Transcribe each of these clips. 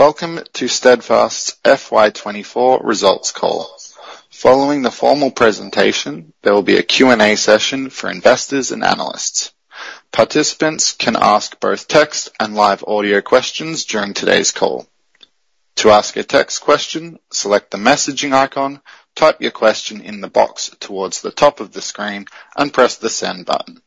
Welcome to Steadfast's FY 2024 results call. Following the formal presentation, there will be a Q&A session for investors and analysts. Participants can ask both text and live audio questions during today's call. To ask a text question, select the messaging icon, type your question in the box towards the top of the screen, and press the Send button.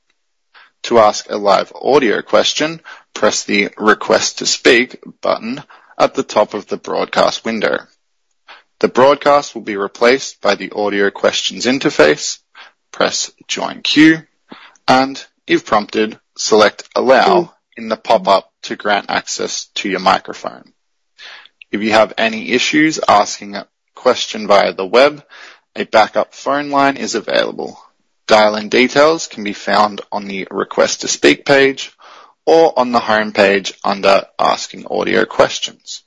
To ask a live audio question, press the Request to Speak button at the top of the broadcast window. The broadcast will be replaced by the Audio Questions interface. Press Join Queue, and if prompted, select Allow in the pop-up to grant access to your microphone. If you have any issues asking a question via the web, a backup phone line is available. Dial-in details can be found on the Request to Speak page or on the homepage under Asking Audio Questions.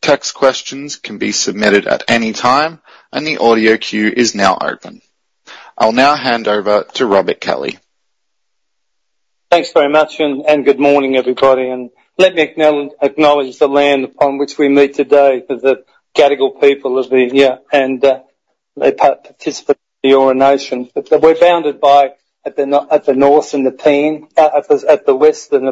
Text questions can be submitted at any time, and the audio queue is now open. I'll now hand over to Robert Kelly. Thanks very much, and good morning, everybody, and let me acknowledge the land upon which we meet today, for the Cadigal people of the Eora Nation. But we're founded by, at the North and the West and the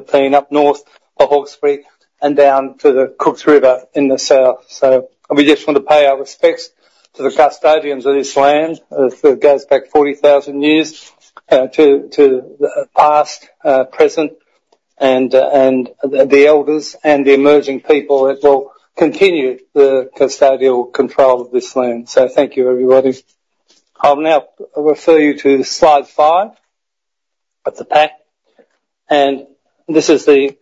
Nepean, up north of Hawkesbury and down to the Cooks River in the south. So we just want to pay our respects to the custodians of this land, that goes back 4,000 years, to the past, present, and the Elders and the emerging people that will continue the custodial control of this land. So thank you, everybody. I'll now refer you to slide five of the pack, and this is the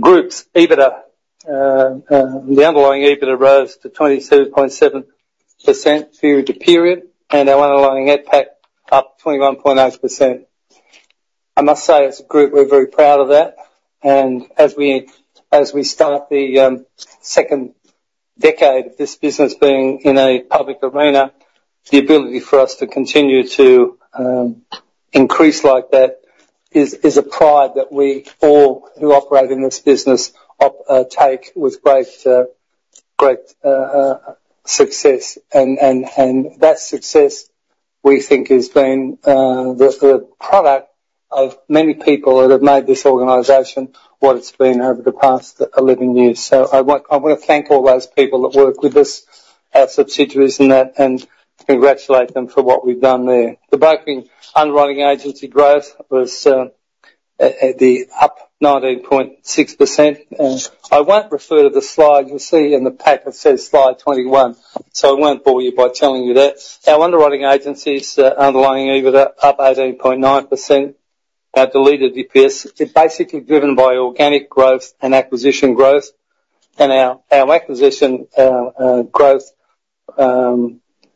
group's EBITDA. The underlying EBITDA rose to 22.7% through the period, and our underlying NPAT up 21.8%. I must say, as a group, we're very proud of that, and as we start the second decade of this business being in a public arena, the ability for us to continue to increase like that is a pride that we all who operate in this business take with great success. That success, we think, has been the product of many people that have made this organization what it's been over the past 11 years. So I want to thank all those people that work with us, our subsidiaries, and congratulate them for what we've done there. The brokering underwriting agency growth was at the up 19.6%. And I won't refer to the slide. You'll see in the pack it says slide 21, so I won't bore you by telling you that. Our underwriting agency's underlying EBITDA up 18.9%. Our diluted EPS is basically driven by organic growth and acquisition growth. And our acquisition growth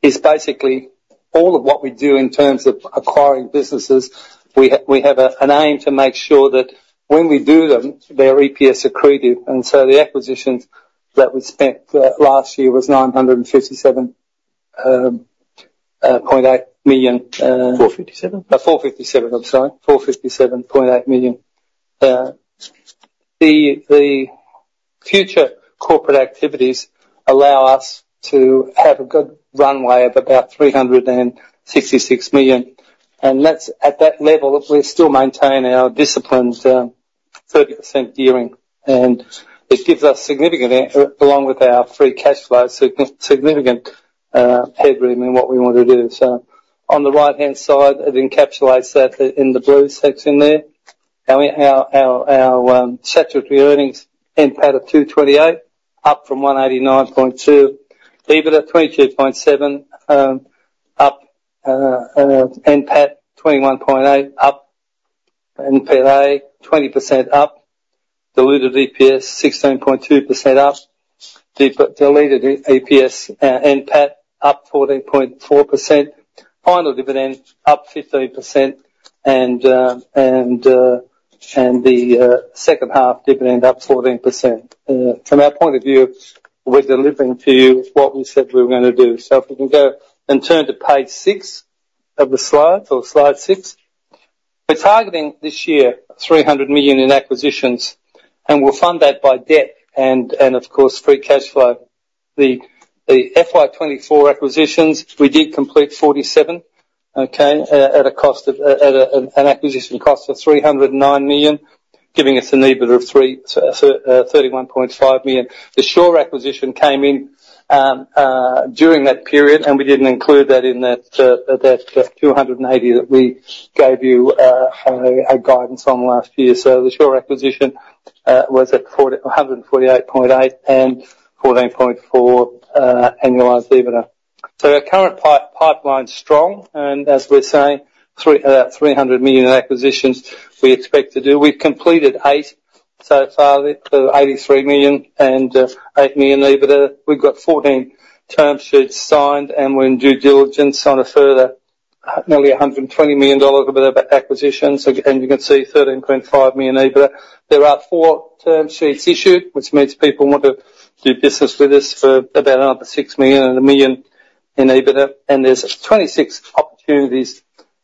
is basically all of what we do in terms of acquiring businesses. We have a aim to make sure that when we do them, they're EPS accretive, and so the acquisitions that we spent last year was 957.8 million. 457. 457, I'm sorry. 457.8 million. The future corporate activities allow us to have a good runway of about 366 million, and that's, at that level, we still maintain our disciplined 30% gearing, and it gives us significant, along with our free cash flow, significant headroom in what we want to do. So on the right-hand side, it encapsulates that in the blue section there. And our statutory earnings, NPAT of 228 million, up from 189.2 million. EBITDA 22.7%, up. NPAT 21.8%, up NPATA 20% up. Diluted EPS 16.2% up. Diluted EPS NPAT up 14.4%. Final dividend up 15%, and the second half dividend up 14%. From our point of view, we're delivering to you what we said we were gonna do. So if we can go and turn to page six of the slides or slide six. We're targeting this year, 300 million in acquisitions, and we'll fund that by debt and, of course, free cash flow. The FY 2024 acquisitions, we did complete 47, okay, at a cost of, an acquisition cost of 309 million, giving us an EBITDA of 31.5 million. The Sure acquisition came in during that period, and we didn't include that in that 280 that we gave you a guidance on last year. So the Sure acquisition was at a 148.8 million and 14.4 million, annualized EBITDA. Our current pipeline's strong, and as we're saying, 300 million acquisitions we expect to do. We've completed eight so far, the 83 million and 8 million EBITDA. We've got 14 term sheets signed, and we're in due diligence on a further nearly 120 million dollars worth of acquisitions, and you can see 13.5 million EBITDA. There are four term sheets issued, which means people want to do business with us for about another 6 million and 1 million in EBITDA, and there's 26 opportunities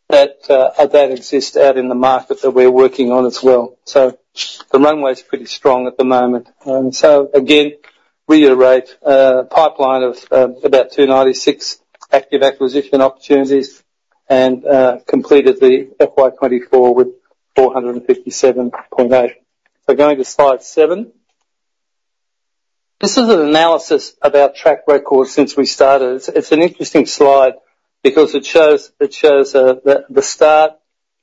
that exist out in the market that we're working on as well. The runway is pretty strong at the moment. And so again, reiterate, a pipeline of about 296 active acquisition opportunities and completed the FY 2024 with 457.8 million. So going to slide seven. This is an analysis of our track record since we started. It's an interesting slide because it shows the start.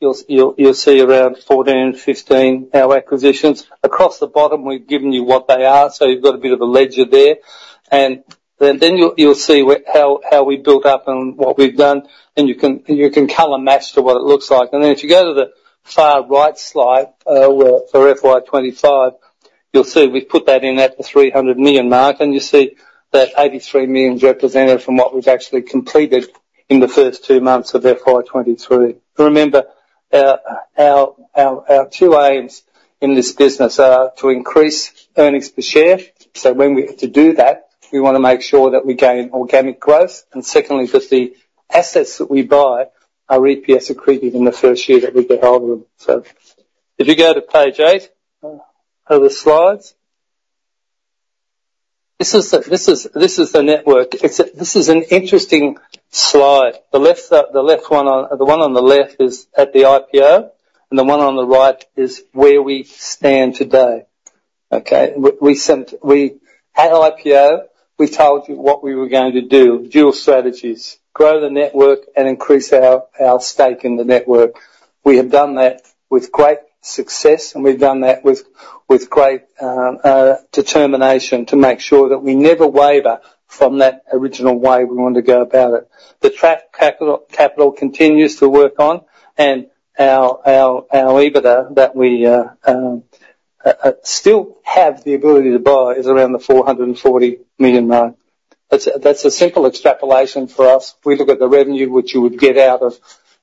You'll see around 14, 15, our acquisitions. Across the bottom, we've given you what they are, so you've got a bit of a ledger there. And then you'll see where how we've built up and what we've done, and you can color match to what it looks like. And then if you go to the far right slide, where for FY 2025, you'll see we've put that in at the 300 million mark, and you see that 83 million is represented from what we've actually completed in the first two months of FY 2023. Remember, our two aims in this business are to increase earnings per share, so when we have to do that, we want to make sure that we gain organic growth, and secondly, that the assets that we buy are EPS accretive in the first year that we get hold of them. So if you go to page eight of the slides. This is the network. This is an interesting slide. The left one is at the IPO, and the one on the right is where we stand today. Okay? At IPO, we told you what we were going to do, dual strategies: grow the network and increase our stake in the network. We have done that with great success, and we've done that with great determination to make sure that we never waver from that original way we wanted to go about it. The Trapped Capital continues to work on, and our EBITDA that we still have the ability to buy is around the 440 million mark. That's a simple extrapolation for us. We look at the revenue which you would get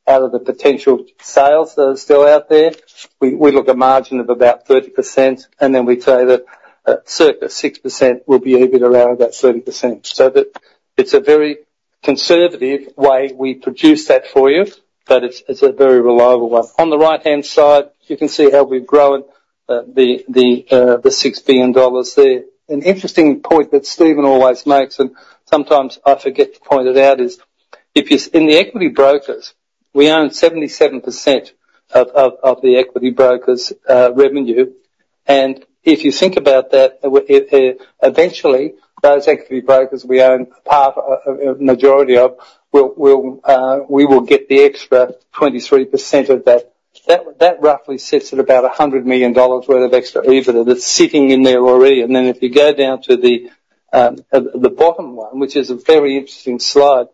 out of the potential sales that are still out there. We look at margin of about 30%, and then we say that circa 6% will be EBITDA, around about 30%. So that it's a very conservative way we produce that for you, but it's a very reliable one. On the right-hand side, you can see how we've grown the 6 billion dollars there. An interesting point that Stephen always makes, and sometimes I forget to point it out, is, in the equity brokers, we own 77% of the equity brokers' revenue, and if you think about that, eventually, those equity brokers we own a part, a majority of, we will get the extra 23% of that. That roughly sits at about 100 million dollars worth of extra EBITDA that's sitting in there already. And then if you go down to the bottom one, which is a very interesting slide,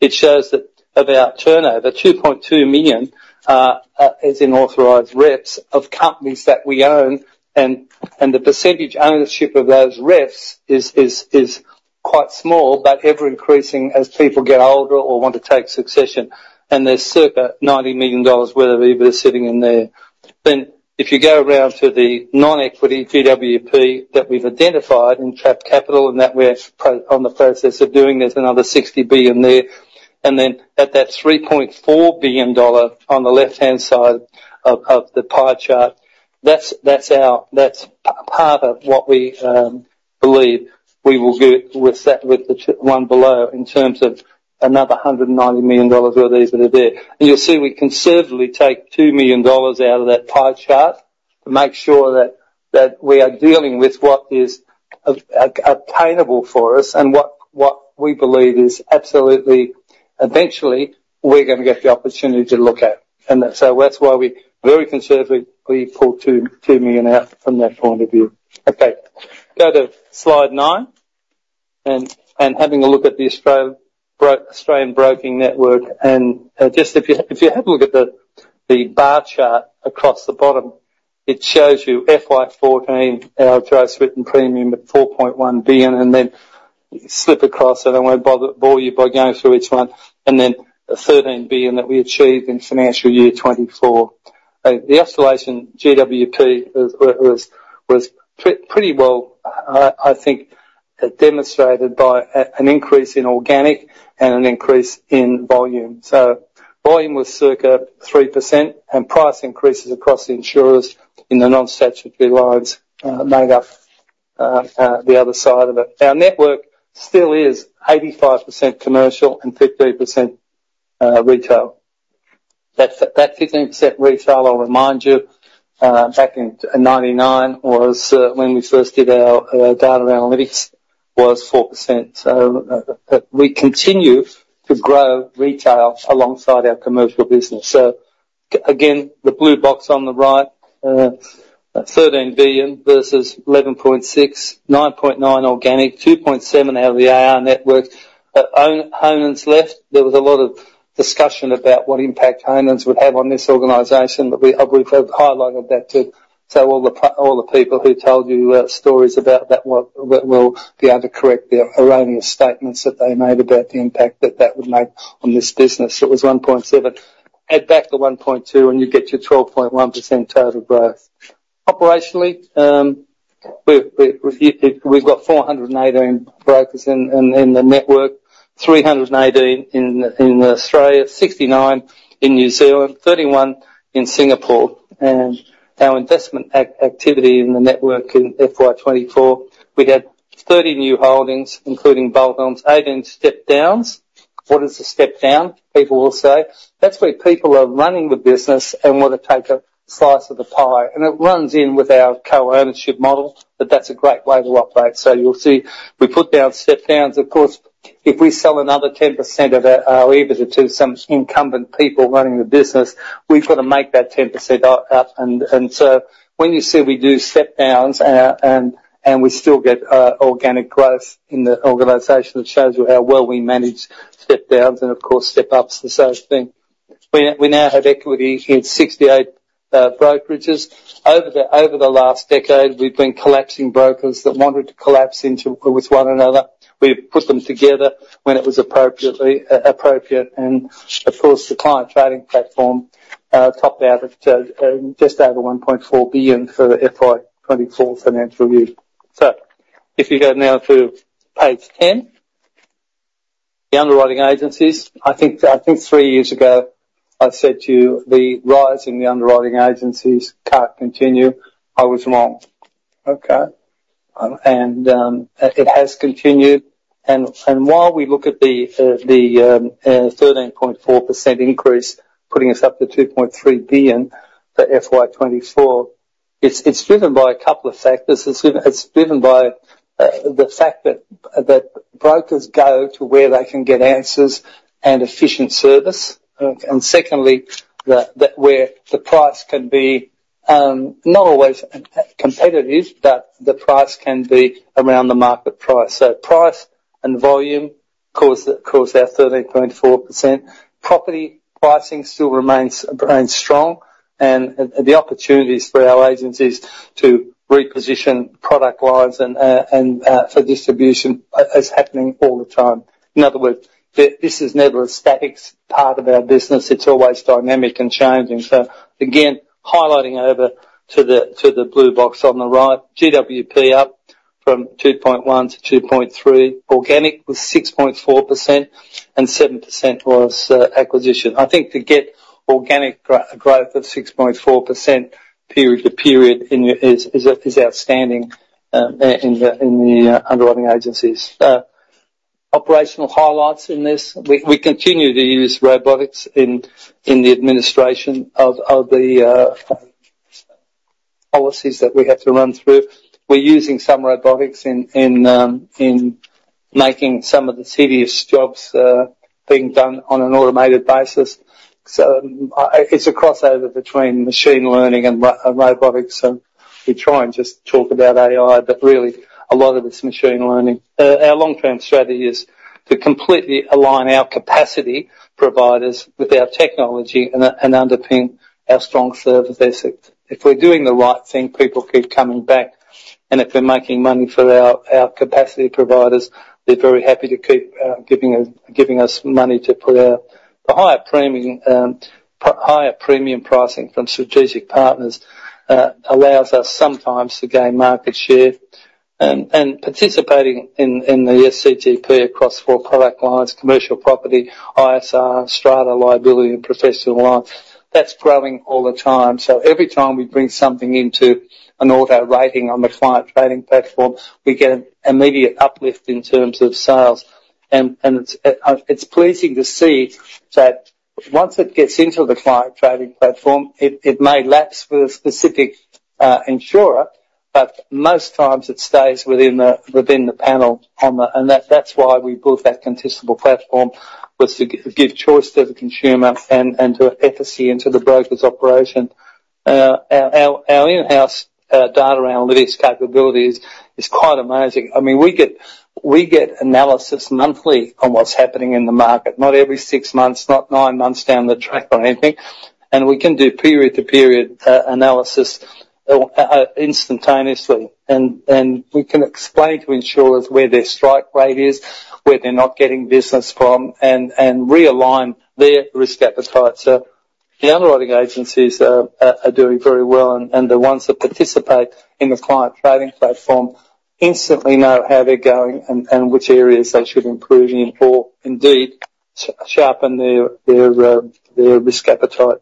it shows that of our turnover, 2.2 million, is in authorized reps of companies that we own, and the percentage ownership of those reps is quite small, but ever-increasing as people get older or want to take succession, and there's circa 90 million dollars worth of EBITDA sitting in there. Then if you go around to the non-equity GWP that we've identified in trapped capital, and that we're in the process of doing, there's another 60 billion there, and then at that 3.4 billion dollar on the left-hand side of the pie chart, that's our... That's part of what we believe we will get with that, with the one below, in terms of another 190 million dollars worth of EBITDA there. And you'll see we conservatively take 2 million dollars out of that pie chart to make sure that we are dealing with what is obtainable for us and what we believe is absolutely eventually we're gonna get the opportunity to look at. And so that's why we very conservatively pulled 2 million out from that point of view. Okay, go to slide nine, and having a look at the Australian Broking Network, and just if you have a look at the bar chart across the bottom, it shows you FY 2014, our gross written premium at 4.1 billion, and then slide across, and I won't bore you by going through each one, and then the 13 billion that we achieved in financial year 2024. The overall GWP was pretty well, I think, demonstrated by an increase in organic and an increase in volume. So volume was circa 3%, and price increases across the insurers in the non-statutory lines made up the other side of it. Our network still is 85% commercial and 15% retail. That 15% retail, I'll remind you, back in 1999 was, when we first did our data analytics, was 4%. So we continue to grow retail alongside our commercial business. So again, the blue box on the right, 13 billion versus 11.6 billion, 9.9% organic, 2.7% out of our network. Honan's left, there was a lot of discussion about what impact Honan's would have on this organization, but we, we've highlighted that, too. So all the people who told you stories about that will be able to correct the erroneous statements that they made about the impact that that would make on this business. It was 1.7%. Add back the 1.2%, and you get your 12.1% total growth. Operationally, we've reviewed it. We've got 418 brokers in the network, 318 in Australia, 69 in New Zealand, 31 in Singapore. And our investment activity in the network in FY 2024, we had 30 new holdings, including buyouts, 18 step-downs. What is a step-down? People will say, that's where people are running the business and want to take a slice of the pie, and it runs in with our co-ownership model, but that's a great way to operate. You'll see, we put down step-downs. Of course, if we sell another 10% of our EBITDA to some incumbent people running the business, we've got to make that 10% up. So when you see we do step downs and we still get organic growth in the organization, it shows you how well we manage step downs, and of course, step ups the same thing. We now have equity in 68 brokerages. Over the last decade, we've been collapsing brokers that wanted to collapse into with one another. We've put them together when it was appropriate. And of course, the client trading platform topped out at just over 1.4 billion for the FY 2024 financial year. So if you go now to page 10, the underwriting agencies, I think three years ago, I said to you, the rise in the underwriting agencies can't continue. I was wrong. Okay? It has continued, and while we look at the 13.4% increase, putting us up to 2.3 billion for FY 2024, it's driven by a couple of factors. It's driven by the fact that brokers go to where they can get answers and efficient service, and secondly, that where the price can be not always competitive, but the price can be around the market price. So price and volume caused our 13.4%. Property pricing still remains strong, and the opportunities for our agencies to reposition product lines and for distribution is happening all the time. In other words, this is never a static part of our business. It's always dynamic and changing. So again, highlighting over to the blue box on the right, GWP up from 2.1 billion to 2.3 billion, organic was 6.4%, and 7% was acquisition. I think to get organic growth of 6.4% period-to-period in your is outstanding in the underwriting agencies. Operational highlights in this, we continue to use robotics in the administration of the policies that we have to run through. We're using some robotics in making some of the tedious jobs being done on an automated basis. So, it's a crossover between machine learning and robotics, so we try and just talk about AI, but really, a lot of it's machine learning. Our long-term strategy is to completely align our capacity providers with our technology and underpin our strong service asset. If we're doing the right thing, people keep coming back, and if they're making money for our capacity providers, they're very happy to keep giving us money to put a higher premium, higher premium pricing from strategic partners allows us sometimes to gain market share. Participating in the SCTP across four product lines: commercial property, ISR, strata liability, and professional line, that's growing all the time. So every time we bring something into an auto rating on the client trading platform, we get an immediate uplift in terms of sales. It's pleasing to see that once it gets into the client trading platform, it may lapse with a specific insurer, but most times it stays within the panel on the... That's why we built that contestable platform, was to give choice to the consumer and to efficiency into the broker's operation. Our in-house data analytics capabilities is quite amazing. I mean, we get analysis monthly on what's happening in the market, not every six months, not nine months down the track or anything, and we can do period-to-period analysis instantaneously. We can explain to insurers where their strike rate is, where they're not getting business from, and realign their risk appetite. So the underwriting agencies are doing very well, and the ones that participate in the client trading platform instantly know how they're going and which areas they should improve in or indeed sharpen their risk appetite.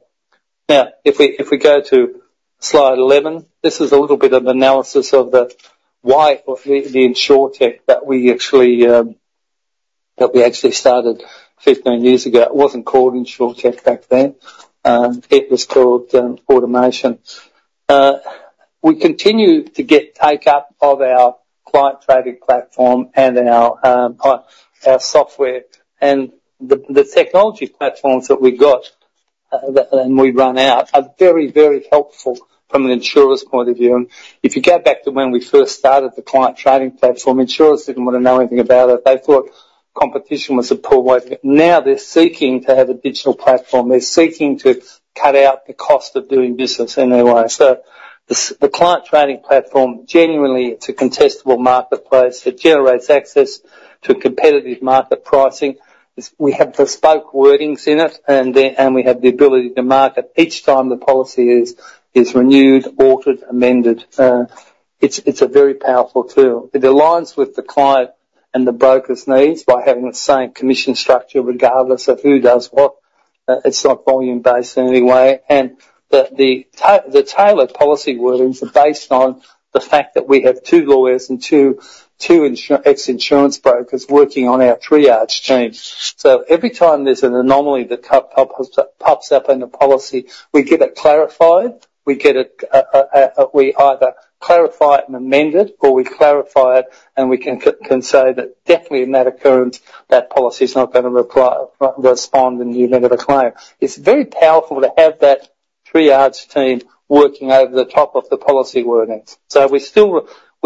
Now, if we go to slide 11, this is a little bit of analysis of the why of the insurTech that we actually started 15 years ago. It wasn't called insurtech back then. It was called automation. We continue to get take up of our client trading platform and our software and the technology platforms that we've got, and they are very, very helpful from an insurer's point of view. And if you go back to when we first started the client trading platform, insurers didn't want to know anything about it. They thought competition was a poor way, but now they're seeking to have a digital platform. They're seeking to cut out the cost of doing business in a way. The client trading platform, genuinely, it's a contestable marketplace that generates access to competitive market pricing. It's. We have bespoke wordings in it, and we have the ability to market each time the policy is renewed, altered, amended. It's a very powerful tool. It aligns with the client and the broker's needs by having the same commission structure regardless of who does what. It's not volume-based in any way, and the tailored policy wordings are based on the fact that we have two lawyers and two ex-insurance brokers working on our triage team. So every time there's an anomaly that crops up in a policy, we get it clarified. We either clarify it and amend it, or we clarify it, and we can say that definitely in that occurrence, that policy is not gonna apply, respond in the event of a claim. It's very powerful to have that triage team working over the top of the policy wordings. So we're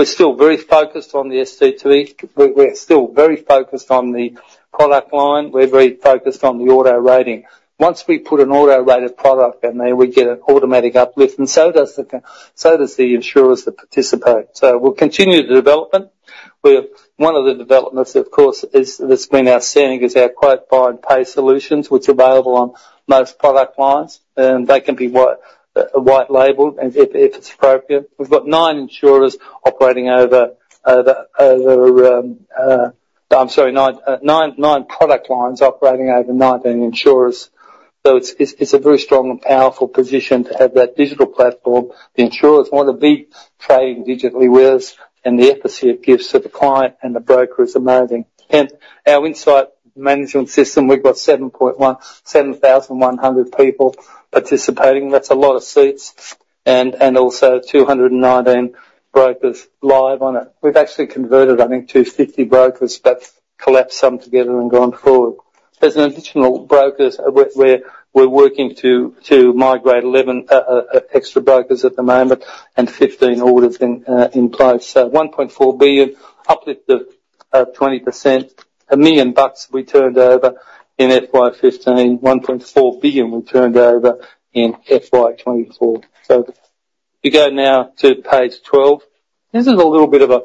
still very focused on the SCTP. We're still very focused on the product line. We're very focused on the auto rating. Once we put an auto-rated product in there, we get an automatic uplift, and so does the insurers that participate. So we'll continue the development. We have... One of the developments, of course, is that's been outstanding, is our quote, buy, and pay solutions, which are available on most product lines, and that can be white labeled, and if it's appropriate. We've got nine product lines operating over 19 insurers. So it's a very strong and powerful position to have that digital platform. The insurers want to be trading digitally with us, and the efficacy it gives to the client and the broker is amazing. And our insight management system, we've got 7,100 people participating. That's a lot of seats, and also 219 brokers live on it. We've actually converted, I think, to 50 brokers, but collapsed some together and gone forward. There's an additional brokers we're working to migrate 11 extra brokers at the moment, and 15 orders in place. So 1.4 billion, uplift of 20%. 1 million bucks we turned over in FY 2015, 1.4 billion we turned over in FY 2024. So if you go now to page 12, this is a little bit of a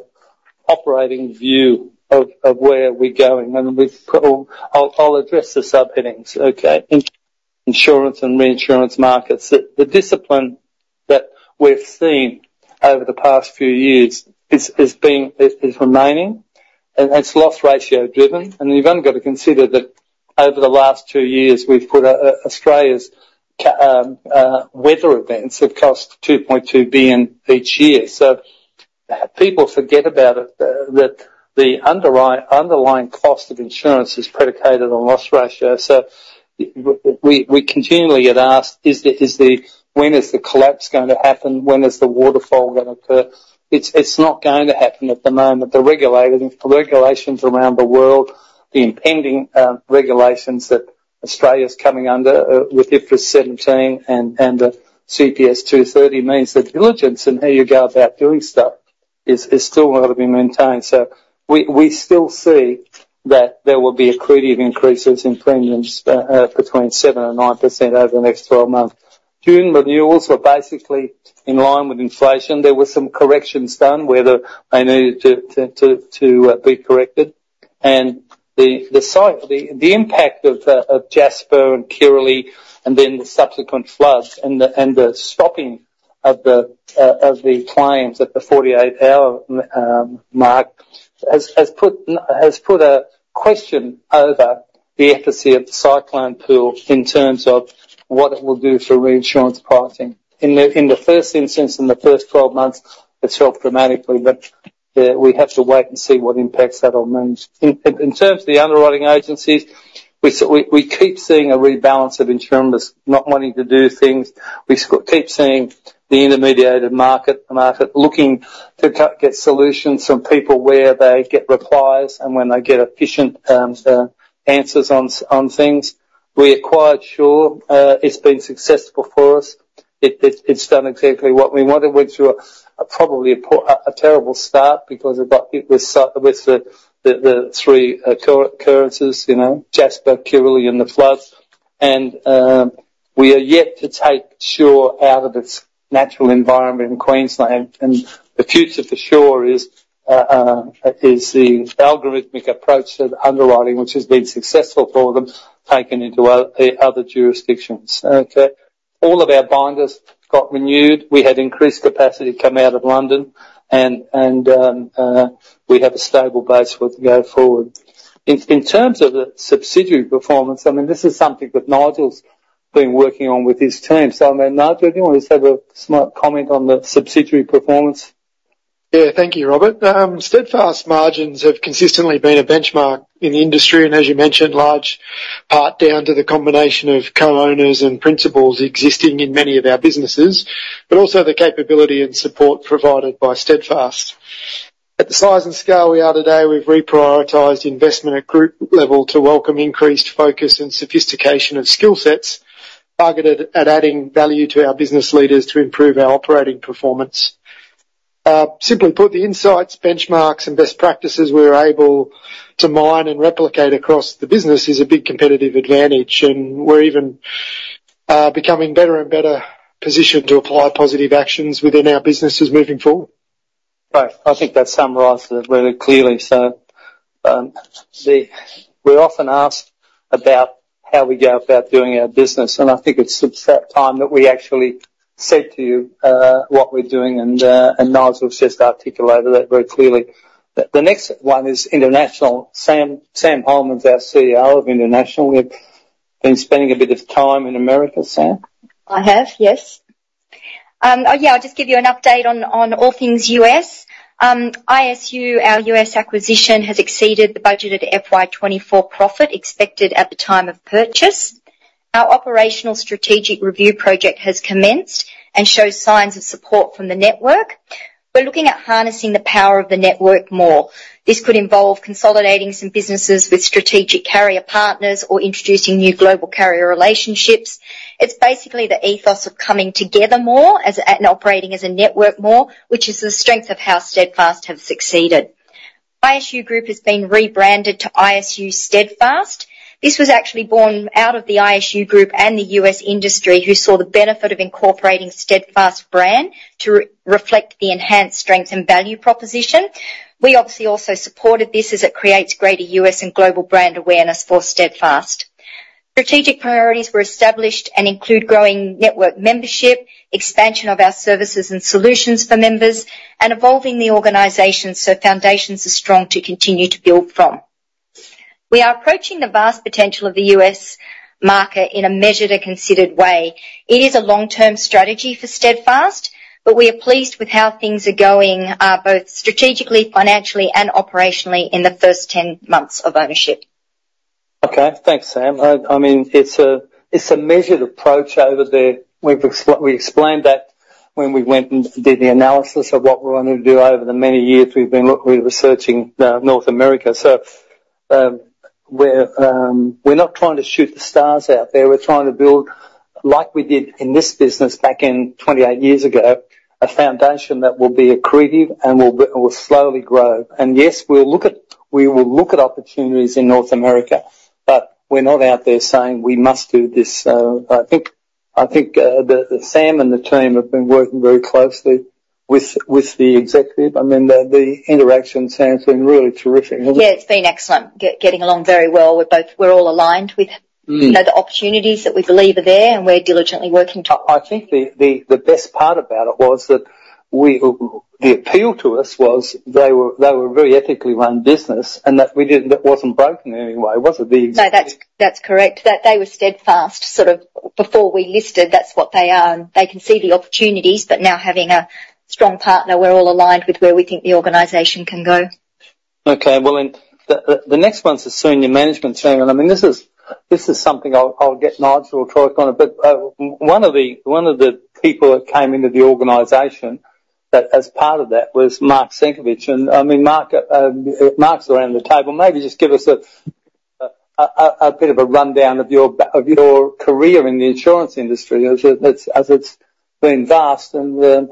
operating view of where we're going, and we've put all... I'll address the subheadings, okay? In insurance and reinsurance markets, the discipline that we've seen over the past few years is remaining, and it's loss ratio driven, and you've only got to consider that over the last two years, Australia's weather events have cost 2.2 billion each year. So people forget about it that the underlying cost of insurance is predicated on loss ratio. So we, we continually get asked, "Is the-- When is the collapse going to happen? When is the waterfall going to occur?" It's not going to happen at the moment. The regulator, the regulations around the world, the impending regulations that Australia's coming under with IFRS 17 and CPS 230 means that diligence and how you go about doing stuff is still got to be maintained. So we still see that there will be accretive increases in premiums between 7% and 9% over the next 12 months. June renewals were basically in line with inflation. There were some corrections done where they needed to be corrected. And the cyclone... The impact of Jasper and Kirrily and then the subsequent floods and the stopping of the claims at the 48 hour mark has put a question over the efficacy of the cyclone pool in terms of what it will do for reinsurance pricing. In the first instance, in the first 12 months, it's dropped dramatically, but we have to wait and see what impacts that all means. In terms of the underwriting agencies, we keep seeing a rebalance of insurers not wanting to do things. We keep seeing the intermediated market, the market, looking to get solutions from people where they get replies and when they get efficient answers on things. We acquired Sure. It's been successful for us. It’s done exactly what we wanted, which were probably a terrible start because of what it was with the three occurrences, you know, Jasper, Kirrily, and the floods. And we are yet to take Sure out of its natural environment in Queensland, and the future for Sure is the algorithmic approach to the underwriting, which has been successful for them, taken into other jurisdictions. Okay, all of our binders got renewed. We had increased capacity come out of London, and we have a stable base with going forward. In terms of the subsidiary performance, I mean, this is something that Nigel’s been working on with his team. So, I mean, Nigel, do you want to just have a smart comment on the subsidiary performance? Yeah. Thank you, Robert. Steadfast margins have consistently been a benchmark in the industry, and as you mentioned, large part down to the combination of co-owners and principals existing in many of our businesses, but also the capability and support provided by Steadfast. At the size and scale we are today, we've reprioritized investment at group level to welcome increased focus and sophistication of skill sets targeted at adding value to our business leaders to improve our operating performance.... simply put, the insights, benchmarks, and best practices we're able to mine and replicate across the business is a big competitive advantage, and we're even becoming better and better positioned to apply positive actions within our businesses moving forward. Right. I think that summarizes it very clearly. So, we're often asked about how we go about doing our business, and I think it's that time that we actually said to you what we're doing, and Nigel's just articulated that very clearly. The next one is international. Sam, Sam Hollman is our CEO of International. We've been spending a bit of time in America, Sam? I have, yes. Oh, yeah, I'll just give you an update on all things U.S. ISU, our U.S. acquisition, has exceeded the budgeted FY 2024 profit expected at the time of purchase. Our operational strategic review project has commenced and shows signs of support from the network. We're looking at harnessing the power of the network more. This could involve consolidating some businesses with strategic carrier partners or introducing new global carrier relationships. It's basically the ethos of coming together more as, and operating as a network more, which is the strength of how Steadfast have succeeded. ISU Group has been rebranded to ISU Steadfast. This was actually born out of the ISU Group and the U.S. industry, who saw the benefit of incorporating Steadfast brand to re-reflect the enhanced strength and value proposition. We obviously also supported this, as it creates greater U.S. and global brand awareness for Steadfast. Strategic priorities were established and include growing network membership, expansion of our services and solutions for members, and evolving the organization so foundations are strong to continue to build from. We are approaching the vast potential of the U.S. market in a measured and considered way. It is a long-term strategy for Steadfast, but we are pleased with how things are going, both strategically, financially, and operationally in the first 10 months of ownership. Okay. Thanks, Sam. I mean, it's a measured approach over there. We've explained that when we went and did the analysis of what we're wanting to do over the many years we were researching North America. So, we're not trying to shoot the stars out there. We're trying to build, like we did in this business back in 28 years ago, a foundation that will be accretive and will slowly grow. And yes, we'll look at opportunities in North America, but we're not out there saying we must do this. So I think Sam and the team have been working very closely with the executive. I mean, the interaction, Sam, has been really terrific. Yeah, it's been excellent. Getting along very well. We're all aligned with- Mm. you know, the opportunities that we believe are there, and we're diligently working toward. I think the best part about it was that the appeal to us was they were a very ethically run business, and that we didn't, it wasn't broken in any way, was it, the executive? No, that's, that's correct. That they were Steadfast, sort of before we listed, that's what they are. They can see the opportunities, but now having a strong partner, we're all aligned with where we think the organization can go. Okay, well, then, the next one's the senior management team, and I mean, this is something I'll get Nigel to talk on it. But one of the people that came into the organization that as part of that was Mark Senkevics. And I mean, Mark, Mark's around the table. Maybe just give us a bit of a rundown of your career in the insurance industry, as it's been vast, and.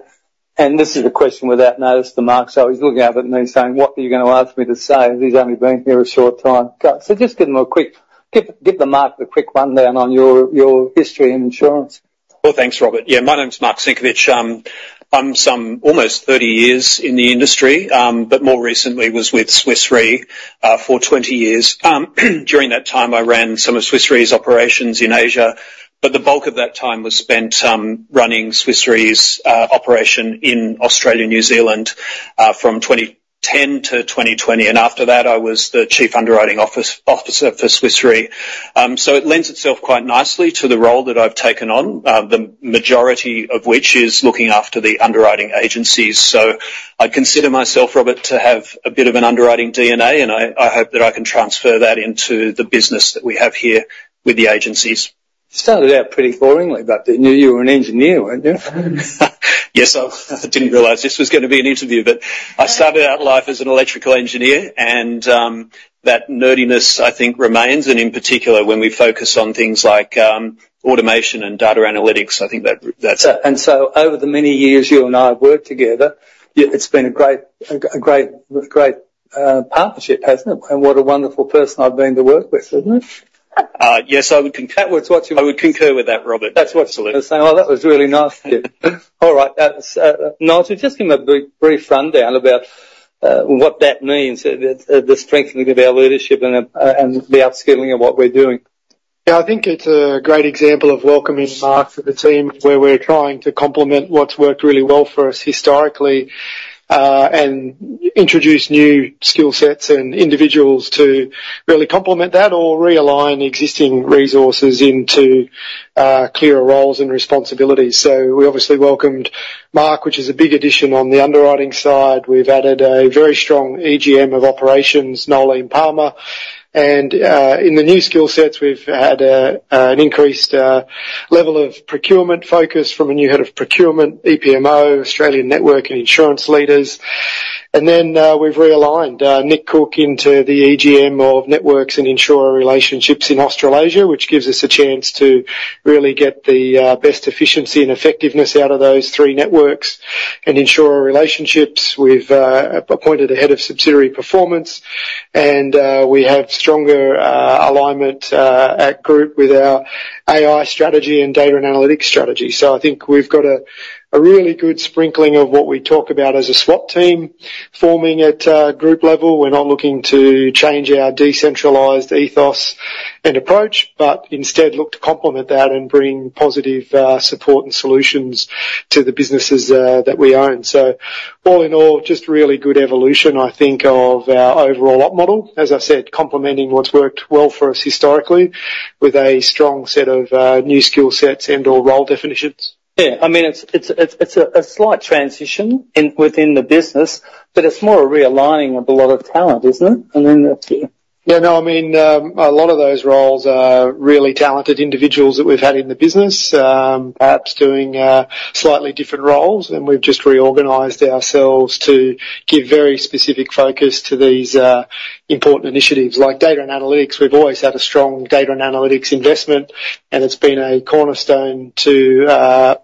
And this is a question without notice to Mark, so he's looking over at me saying: "What are you gonna ask me to say?" He's only been here a short time. Go. So just give him a quick. Give Mark the quick rundown on your history in insurance. Well, thanks, Robert. Yeah, my name's Mark Senkevics. I've almost 30 years in the industry, but more recently was with Swiss Re for 20 years. During that time, I ran some of Swiss Re's operations in Asia, but the bulk of that time was spent running Swiss Re's operation in Australia, New Zealand from 2010 to 2020, and after that, I was the Chief Underwriting Officer for Swiss Re. So it lends itself quite nicely to the role that I've taken on, the majority of which is looking after the underwriting agencies. So I consider myself, Robert, to have a bit of an underwriting DNA, and I hope that I can transfer that into the business that we have here with the agencies. You started out pretty boringly, but, you were an engineer, weren't you? Yes, I didn't realize this was gonna be an interview, but I started out life as an electrical engineer, and that nerdiness, I think, remains, and in particular, when we focus on things like automation and data analytics, I think that, that's- And so over the many years you and I have worked together, it's been a great, great partnership, hasn't it? And what a wonderful person you've been to work with, isn't it? Yes, I would concur- That's what you- I would concur with that, Robert. That's what... So oh, that was really nice to hear. All right. So, Nigel, just give me a brief rundown about what that means, the strengthening of our leadership and the upskilling of what we're doing. Yeah, I think it's a great example of welcoming Mark to the team, where we're trying to complement what's worked really well for us historically and introduce new skill sets and individuals to really complement that or realign existing resources into clearer roles and responsibilities. So we obviously welcomed Mark, which is a big addition on the underwriting side. We've added a very strong EGM of Operations, Noelene Palmer, and in the new skill sets, we've had an increased level of procurement focus from a new head of procurement, EPMO, Australian Network and insurance leaders. And then we've realigned Nick Cook into the EGM of Networks and Insurer Relationships in Australasia, which gives us a chance to really get the best efficiency and effectiveness out of those three networks and insurer relationships. We've appointed a head of subsidiary performance, and we have stronger alignment at group with our AI strategy and data and analytics strategy. So I think we've got a really good sprinkling of what we talk about as a SWAT team forming at group level. We're not looking to change our decentralized ethos and approach, but instead look to complement that and bring positive support and solutions to the businesses that we own. So all in all, just really good evolution, I think, of our overall op model. As I said, complementing what's worked well for us historically, with a strong set of new skill sets and/or role definitions. Yeah. I mean, it's a slight transition within the business, but it's more a realigning of a lot of talent, isn't it? And then up to you. Yeah, no, I mean, a lot of those roles are really talented individuals that we've had in the business, perhaps doing slightly different roles, and we've just reorganized ourselves to give very specific focus to these important initiatives. Like data and analytics, we've always had a strong data and analytics investment, and it's been a cornerstone to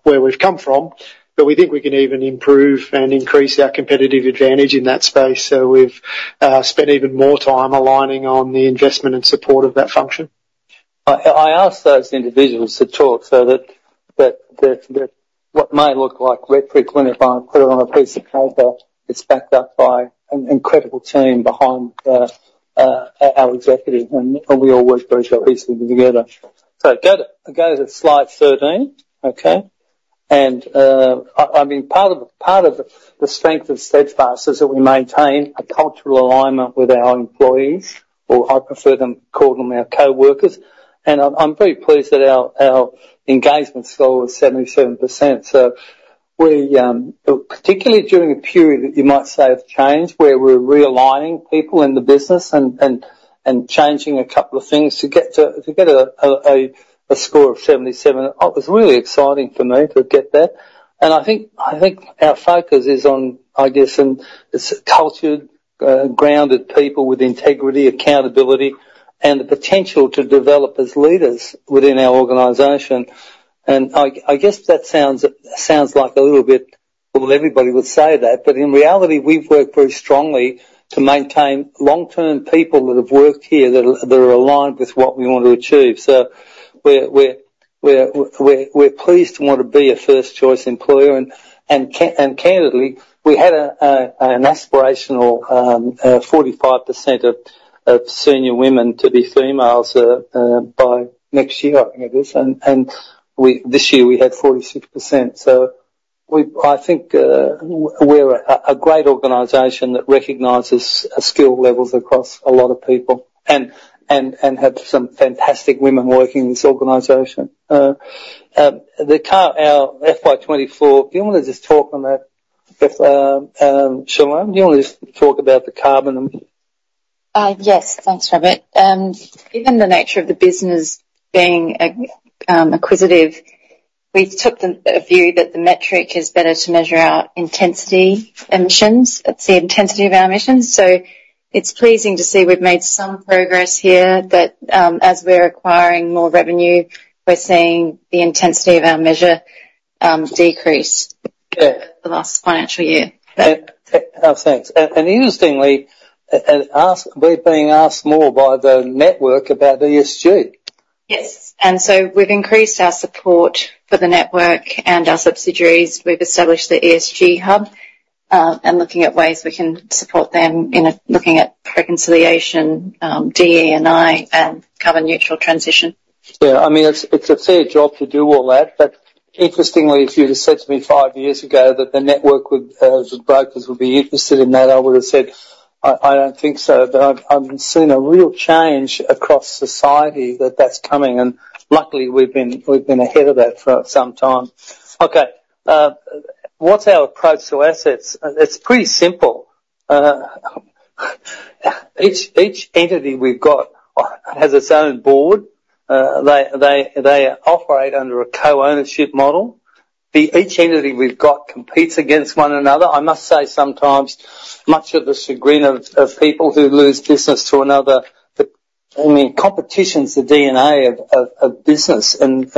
where we've come from, but we think we can even improve and increase our competitive advantage in that space. So we've spent even more time aligning on the investment and support of that function. I asked those individuals to talk so that what may look like rhetoric when if I put it on a piece of paper, it's backed up by an incredible team behind our executive, and we all work very closely together. So go to slide 13, okay? And I mean, part of the strength of Steadfast is that we maintain a cultural alignment with our employees, or I prefer to call them our coworkers, and I'm very pleased that our engagement score was 77%. Particularly during a period that you might say of change, where we're realigning people in the business and changing a couple of things, to get a score of 77% was really exciting for me to get that. I think our focus is on, I guess, it's cultured, grounded people with integrity, accountability, and the potential to develop as leaders within our organization. I guess that sounds like a little bit. Well, everybody would say that, but in reality, we've worked very strongly to maintain long-term people that have worked here, that are aligned with what we want to achieve. We're pleased to want to be a first-choice employer, and candidly, we had an aspirational 45% of senior women to be females by next year, I think it is, and this year, we had 46%. So, I think we're a great organization that recognizes skill levels across a lot of people and have some fantastic women working in this organization. Our FY 2024, do you want to just talk on that, Shalome? Do you want to just talk about the carbon? Yes. Thanks, Robert. Given the nature of the business being acquisitive, we've took the view that the metric is better to measure our intensity emissions. It's the intensity of our emissions, so it's pleasing to see we've made some progress here, that, as we're acquiring more revenue, we're seeing the intensity of our measure decrease- Yeah The last financial year. Yeah. Thanks. And interestingly, we're being asked more by the network about ESG. Yes, and so we've increased our support for the network and our subsidiaries. We've established the ESG hub, and looking at ways we can support them in reconciliation, DE&I, and carbon neutral transition. Yeah, I mean, it's a fair job to do all that. But interestingly, if you'd have said to me five years ago that the network would, the brokers would be interested in that, I would've said, "I don't think so." But I've seen a real change across society that's coming, and luckily, we've been ahead of that for some time. Okay, what's our approach to assets? It's pretty simple. Each entity we've got has its own board. They operate under a co-ownership model. Each entity we've got competes against one another. I must say, sometimes much to the chagrin of people who lose business to another, but, I mean, competition's the DNA of business, and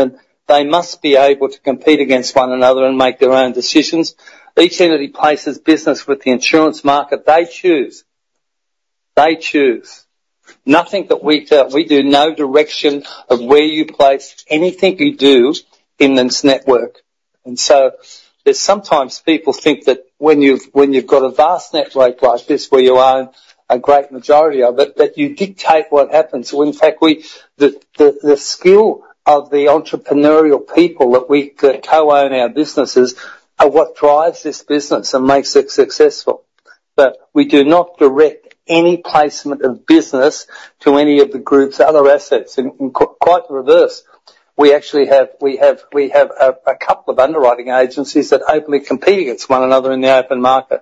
they must be able to compete against one another and make their own decisions. Each entity places business with the insurance market. They choose. They choose. We do no direction of where you place anything you do in this network, and so there's sometimes people think that when you've got a vast network like this, where you own a great majority of it, that you dictate what happens, when in fact, the skill of the entrepreneurial people that co-own our businesses are what drives this business and makes it successful. But we do not direct any placement of business to any of the group's other assets, and quite the reverse, we actually have a couple of underwriting agencies that openly compete against one another in the open market.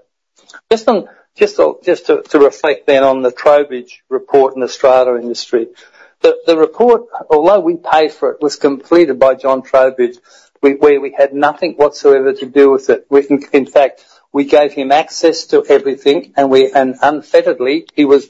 Just to reflect then on the Trowbridge Report in the Strata industry. The report, although we paid for it, was completed by John Trowbridge. We had nothing whatsoever to do with it. We, in fact, gave him access to everything, and unfetteredly, he was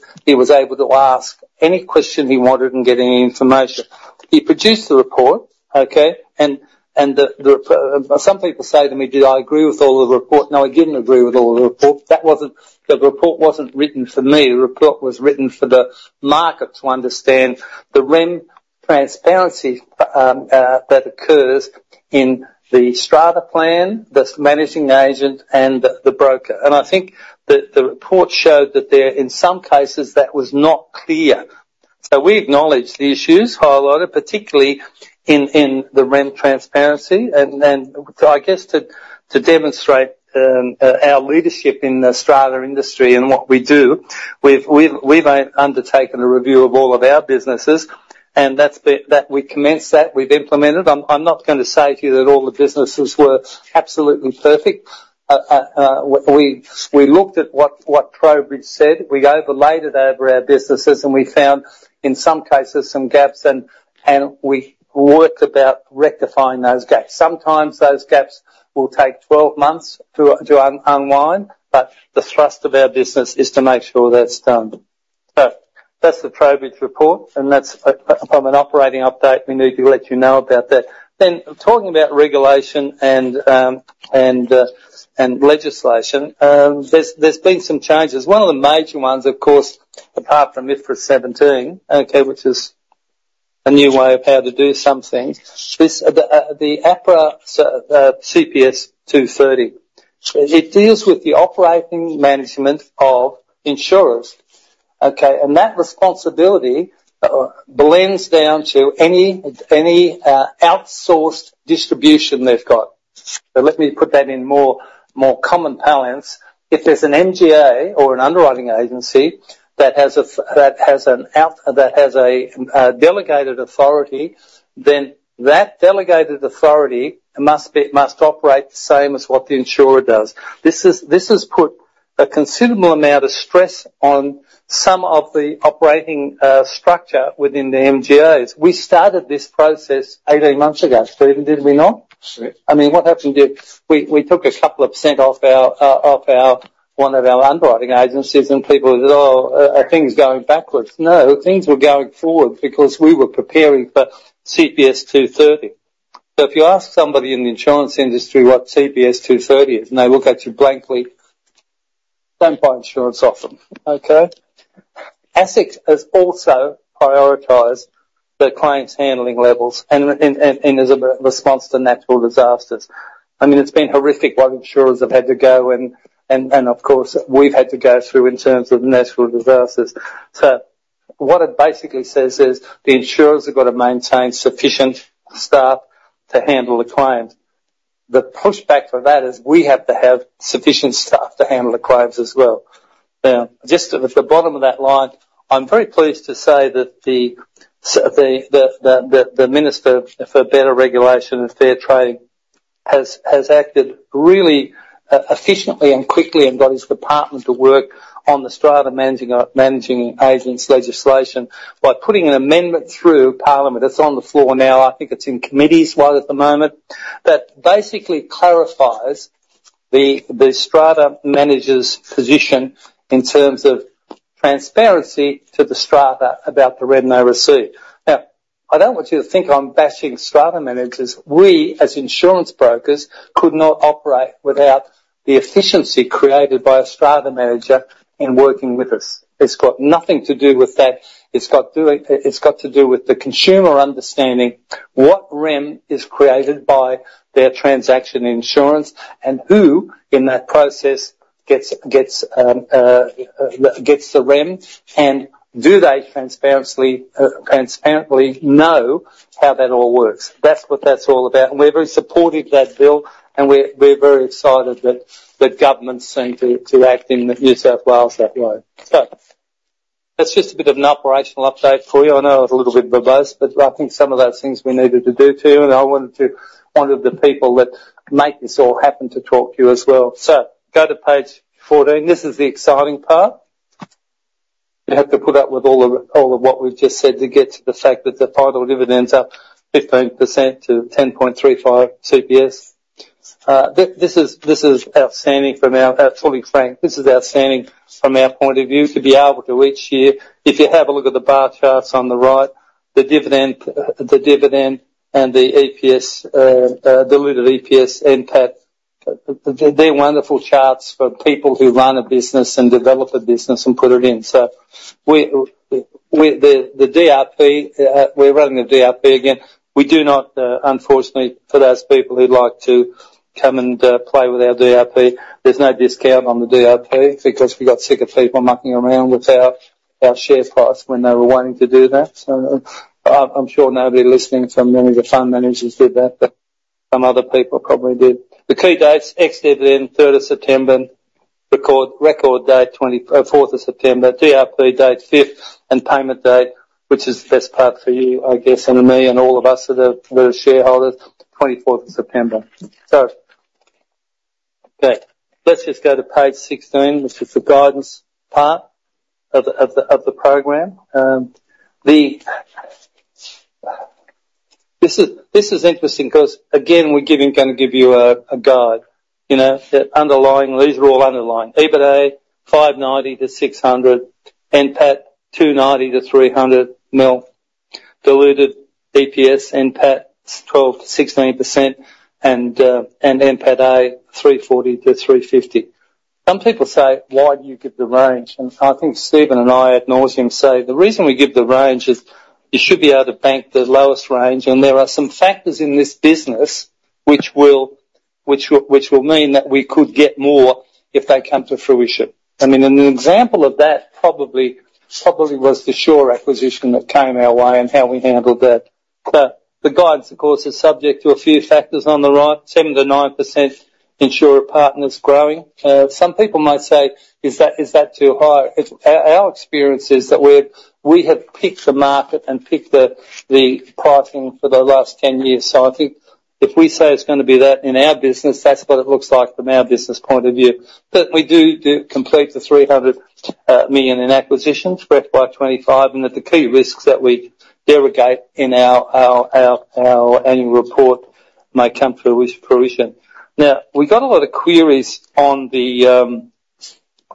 able to ask any question he wanted and get any information. He produced the report, okay? And the some people say to me, do I agree with all the report? No, I didn't agree with all the report. That wasn't. The report wasn't written for me. The report was written for the market to understand the rent transparency that occurs in the strata plan, the managing agent, and the broker. And I think that the report showed that there, in some cases, that was not clear. So we acknowledged the issues highlighted, particularly in the rent transparency. And then, so I guess to demonstrate our leadership in the strata industry and what we do, we've undertaken a review of all of our businesses, and that's been implemented. We commenced that. I'm not gonna say to you that all the businesses were absolutely perfect. We looked at what Trowbridge said, we overlaid it over our businesses, and we found, in some cases, some gaps, and we worked about rectifying those gaps. Sometimes those gaps will take 12 months to unwind, but the thrust of our business is to make sure that's done. So that's the Trowbridge report, and that's from an operating update, we need to let you know about that. Then, talking about regulation and legislation, there's been some changes. One of the major ones, of course, apart from IFRS 17, okay, which is a new way of how to do some things, is the APRA CPS 230. It deals with the operating management of insurers, okay? And that responsibility blends down to any outsourced distribution they've got. So let me put that in more common parlance. If there's an MGA or an underwriting agency that has delegated authority, then that delegated authority must operate the same as what the insurer does. This has put a considerable amount of stress on some of the operating structure within the MGAs. We started this process 18 months ago, Stephen, did we not? Sure. I mean, what happened is we took a couple of percent off our one of our underwriting agencies, and people said, "Oh, are things going backwards?" No, things were going forward because we were preparing for CPS 230. So if you ask somebody in the insurance industry what CPS 230 is, and they look at you blankly, don't buy insurance off them, okay? ASIC has also prioritized the claims handling levels and as a response to natural disasters. I mean, it's been horrific what insurers have had to go and of course, we've had to go through in terms of natural disasters. So what it basically says is, the insurers have got to maintain sufficient staff to handle the claims. The pushback to that is we have to have sufficient staff to handle the claims as well. Now, just at the bottom of that line, I'm very pleased to say that so the Minister for Better Regulation and Fair Trading has acted really efficiently and quickly and got his department to work on the strata managing, managing agents legislation by putting an amendment through Parliament. It's on the floor now, I think it's in committees while at the moment, that basically clarifies the strata manager's position in terms of transparency to the strata about the rent they receive. Now, I don't want you to think I'm bashing strata managers. We, as insurance brokers, could not operate without the efficiency created by a strata manager in working with us. It's got nothing to do with that. It's got doing... It's got to do with the consumer understanding what rent is created by their transaction insurance and who in that process gets the rent, and do they transparently know how that all works? That's what that's all about, and we're very supportive of that bill, and we're very excited that the government seem to act in New South Wales that way. So that's just a bit of an operational update for you. I know it's a little bit verbose, but I think some of that things we needed to do, too, and I wanted the people that make this all happen to talk to you as well. So go to page 14. This is the exciting part. You have to put up with all of what we've just said to get to the fact that the final dividends are 15% to 10.35 CPS. This is outstanding from our fully franked. This is outstanding from our point of view, to be able to each year. If you have a look at the bar charts on the right, the dividend and the diluted EPS impact, they're wonderful charts for people who run a business and develop a business and put it in. We're running the DRP again. We do not, unfortunately, for those people who'd like to come and play with our DRP, there's no discount on the DRP because we got sick of people mucking around with our share price when they were wanting to do that. So I'm sure nobody listening to many of the fund managers did that, but some other people probably did. The key dates: ex-dividend, 3 September; record date, 4 September; DRP date, 5 September; and payment date, which is the best part for you, I guess, and me and all of us that are shareholders, 24 of September. Okay, let's just go to page 16, which is the guidance part of the program. This is interesting, because again, we're gonna give you a guide. You know, that underlying, these are all underlying. EBITA, 590 million-600 million, NPAT, 290 million-300 million, diluted EPS NPAT, 12%-16%, and NPATA, 340 million-350 million. Some people say: "Why do you give the range?" And I think Stephen and I ad nauseam say: "The reason we give the range is, you should be able to bank the lowest range," and there are some factors in this business which will mean that we could get more if they come to fruition. I mean, and an example of that probably was the Sure acquisition that came our way and how we handled that. But the guidance, of course, is subject to a few factors on the right, 7%-9% insurer partners growing. Some people might say: "Is that, is that too high?" It's our experience that we're, we have picked the market and picked the pricing for the last 10 years. So I think if we say it's gonna be that in our business, that's what it looks like from our business point of view. But we do complete the 300 million in acquisitions, spread by 2025, and that the key risks that we derogate in our annual report may come to fruition. Now, we got a lot of queries on the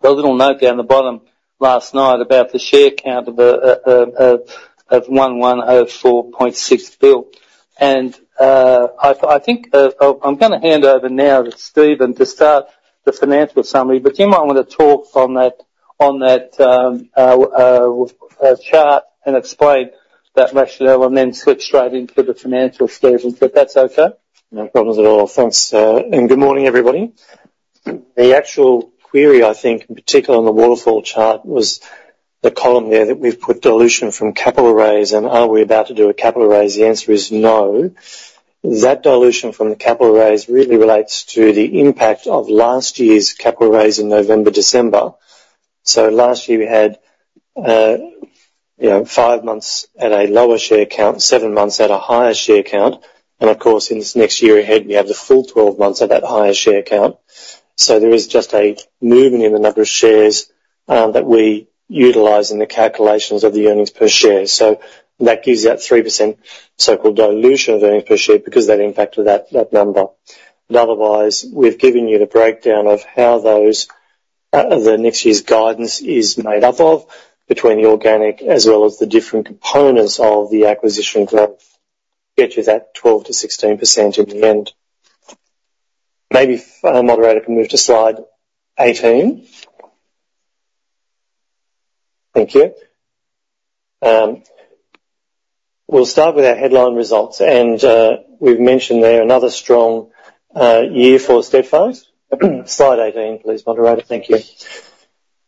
little note down the bottom last night about the share count of 1.1046 billion. I think I'll hand over now to Stephen to start the financial summary, but you might want to talk on that chart and explain that rationale, and then switch straight into the financial statement, if that's okay? No problems at all. Thanks and good morning, everybody. The actual query, I think, in particular on the waterfall chart, was the column there that we've put dilution from capital raise, and are we about to do a capital raise? The answer is no. That dilution from the capital raise really relates to the impact of last year's capital raise in November, December. So last year, we had, you know, five months at a lower share count, seven months at a higher share count, and of course, in this next year ahead, we have the full 12 months at that higher share count. So there is just a movement in the number of shares that we utilize in the calculations of the earnings per share. So that gives that 3% so-called dilution of earnings per share, because that impacted that number. But otherwise, we've given you the breakdown of how those, the next year's guidance is made up of, between the organic as well as the different components of the acquisition growth, get you that 12%-16% in the end. Maybe if, moderator can move to slide 18? Thank you. We'll start with our headline results, and, we've mentioned there another strong, year for Steadfast. Slide 18, please, moderator. Thank you.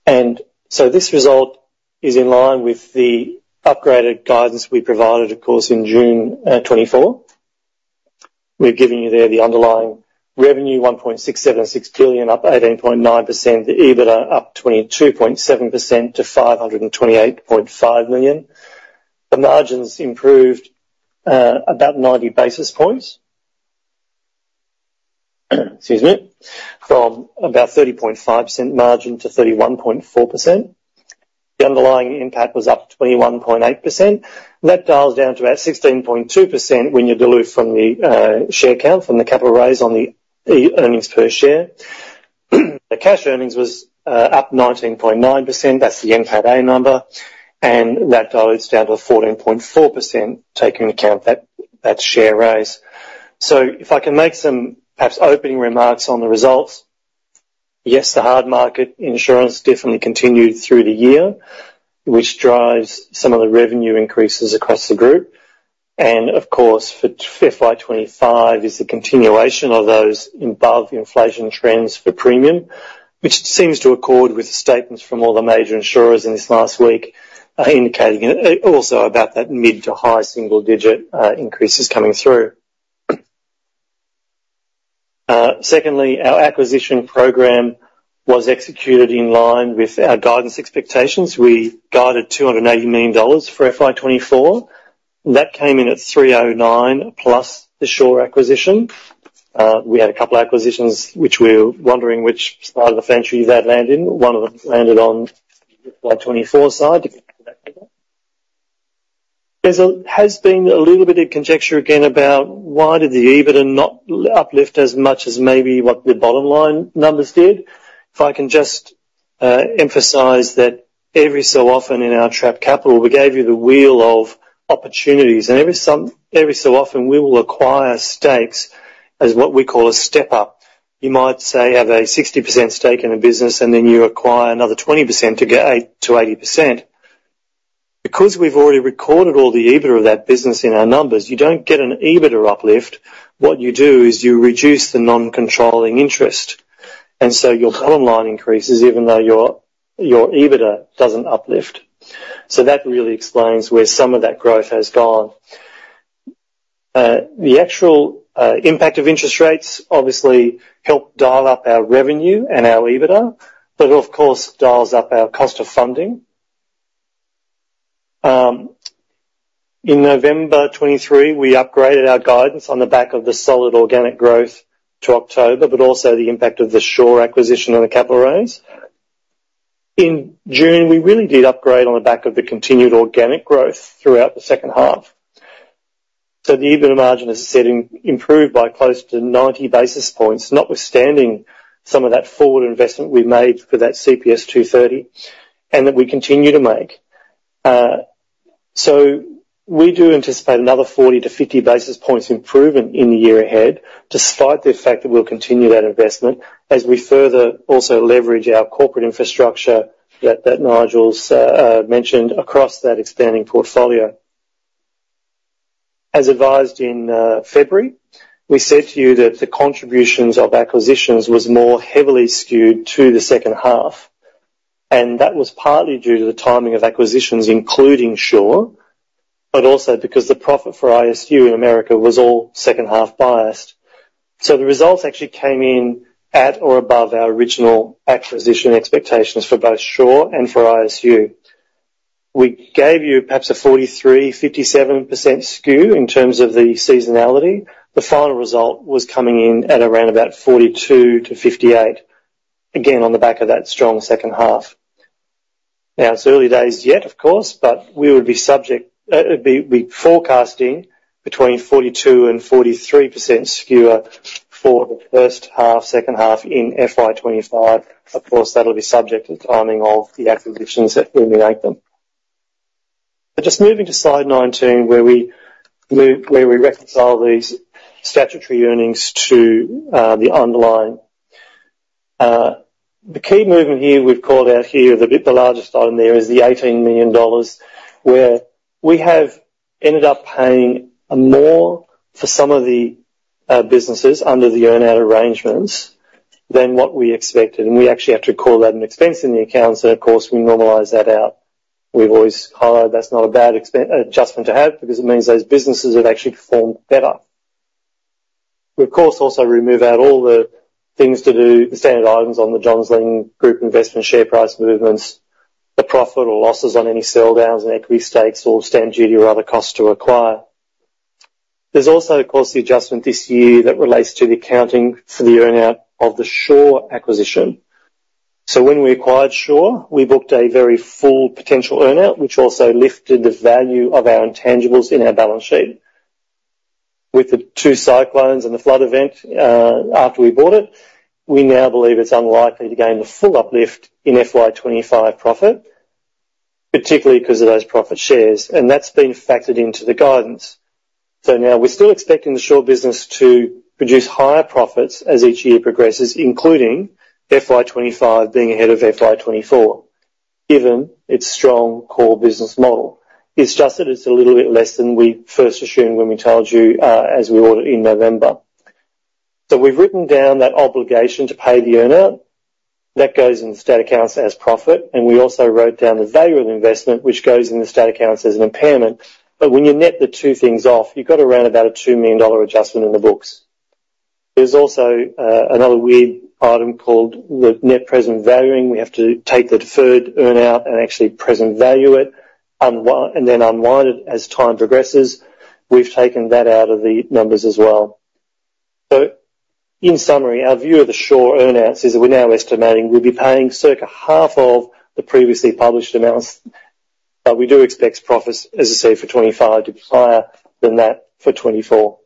And so this result is in line with the upgraded guidance we provided, of course, in June 2024. We've given you there the underlying revenue, 1.676 billion, up 18.9%. The EBITDA up 22.7% to 528.5 million. The margins improved about 90 basis points, excuse me, from about 30.5% margin to 31.4%. The underlying impact was up 21.8%. That dials down to about 16.2% when you dilute from the share count, from the capital raise on the earnings per share. The cash earnings was up 19.9%. That's the NPATA number, and that dilutes down to 14.4%, taking account that share raise. So if I can make some perhaps opening remarks on the results. Yes, the hard market insurance definitely continued through the year, which drives some of the revenue increases across the group. Of course, for FY 2025 is the continuation of those above inflation trends for premium, which seems to accord with the statements from all the major insurers in this last week, indicating also about that mid to high single digit increases coming through. Secondly, our acquisition program was executed in line with our guidance expectations. We guided 280 million dollars for FY 2024. That came in at 309 million, plus the Sure acquisition. We had a couple of acquisitions which we were wondering which side of the fence we would have landed in. One of them landed on the FY 2024 side. There's been a little bit of conjecture again about why did the EBITDA not uplift as much as maybe what the bottom line numbers did? If I can just emphasize that every so often in our trapped capital, we give you a view of opportunities, and every so often, we will acquire stakes as what we call a step-up. You might say have a 60% stake in a business, and then you acquire another 20% to get to 80%. Because we've already recorded all the EBITDA of that business in our numbers, you don't get an EBITDA uplift. What you do is you reduce the non-controlling interest, and so your bottom line increases even though your EBITDA doesn't uplift. So that really explains where some of that growth has gone. The actual impact of interest rates obviously helped dial up our revenue and our EBITDA, but of course dials up our cost of funding.... In November 2023, we upgraded our guidance on the back of the solid organic growth to October, but also the impact of the Sure acquisition and the capital raise. In June, we really did upgrade on the back of the continued organic growth throughout the second half. So the EBITDA margin, as I said, improved by close to 90 basis points, notwithstanding some of that forward investment we made for that CPS 230, and that we continue to make. So we do anticipate another 40-50 basis points improvement in the year ahead, despite the fact that we'll continue that investment as we further also leverage our corporate infrastructure that Nigel's mentioned across that expanding portfolio. As advised in February, we said to you that the contributions of acquisitions was more heavily skewed to the second half, and that was partly due to the timing of acquisitions, including Sure, but also because the profit for ISU in America was all second half biased. So the results actually came in at or above our original acquisition expectations for both Sure and for ISU. We gave you perhaps a 43%-57% skew in terms of the seasonality. The final result was coming in at around about 42%-58%, again, on the back of that strong second half. Now, it's early days yet, of course, but we would be subject to forecasting between 42% and 43% skew for the first half, second half in FY 2025. Of course, that'll be subject to the timing of the acquisitions that we make them. But just moving to slide 19, where we reconcile these statutory earnings to the underlying. The key movement here we've called out here, the largest item there is the 18 million dollars, where we have ended up paying more for some of the businesses under the earn-out arrangements than what we expected, and we actually have to call that an expense in the accounts, and of course, we normalize that out. We've always highlighted that's not a bad adjustment to have, because it means those businesses have actually performed better. We, of course, also remove out all the things to do, the standard items on the Johns Lyng Group investment share price movements, the profit or losses on any sell downs and equity stakes or stamp duty or other costs to acquire. There's also, of course, the adjustment this year that relates to the accounting for the earn-out of the Sure acquisition. So when we acquired Sure, we booked a very full potential earn-out, which also lifted the value of our intangibles in our balance sheet. With the two cyclones and the flood event, after we bought it, we now believe it's unlikely to gain the full uplift in FY 2025 profit, particularly because of those profit shares, and that's been factored into the guidance. So now we're still expecting the Sure business to produce higher profits as each year progresses, including FY 2025 being ahead of FY 2024, given its strong core business model. It's just that it's a little bit less than we first assumed when we told you, as we outlined in November. So we've written down that obligation to pay the earn-out. That goes in the statutory accounts as profit, and we also wrote down the value of the investment, which goes in the statutory accounts as an impairment. But when you net the two things off, you've got around about a 2 million dollar adjustment in the books. There's also another weird item called the net present valuing. We have to take the deferred earn-out and actually present value it, and then unwind it as time progresses. We've taken that out of the numbers as well. So in summary, our view of the Sure earn-outs is we're now estimating we'll be paying circa half of the previously published amounts, but we do expect profits, as I said, for 2025 to be higher than that for 2024.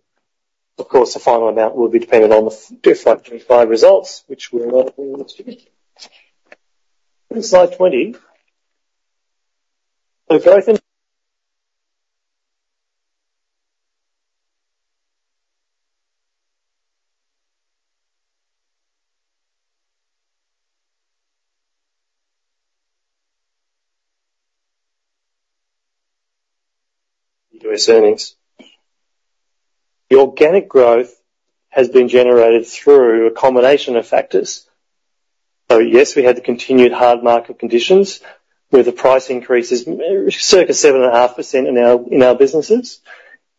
Of course, the final amount will be dependent on the FY 2025 results, which we'll... In Slide 20, we've got a... U.S. earnings. The organic growth has been generated through a combination of factors. So yes, we had the continued hard market conditions, where the price increase is circa 7.5% in our businesses,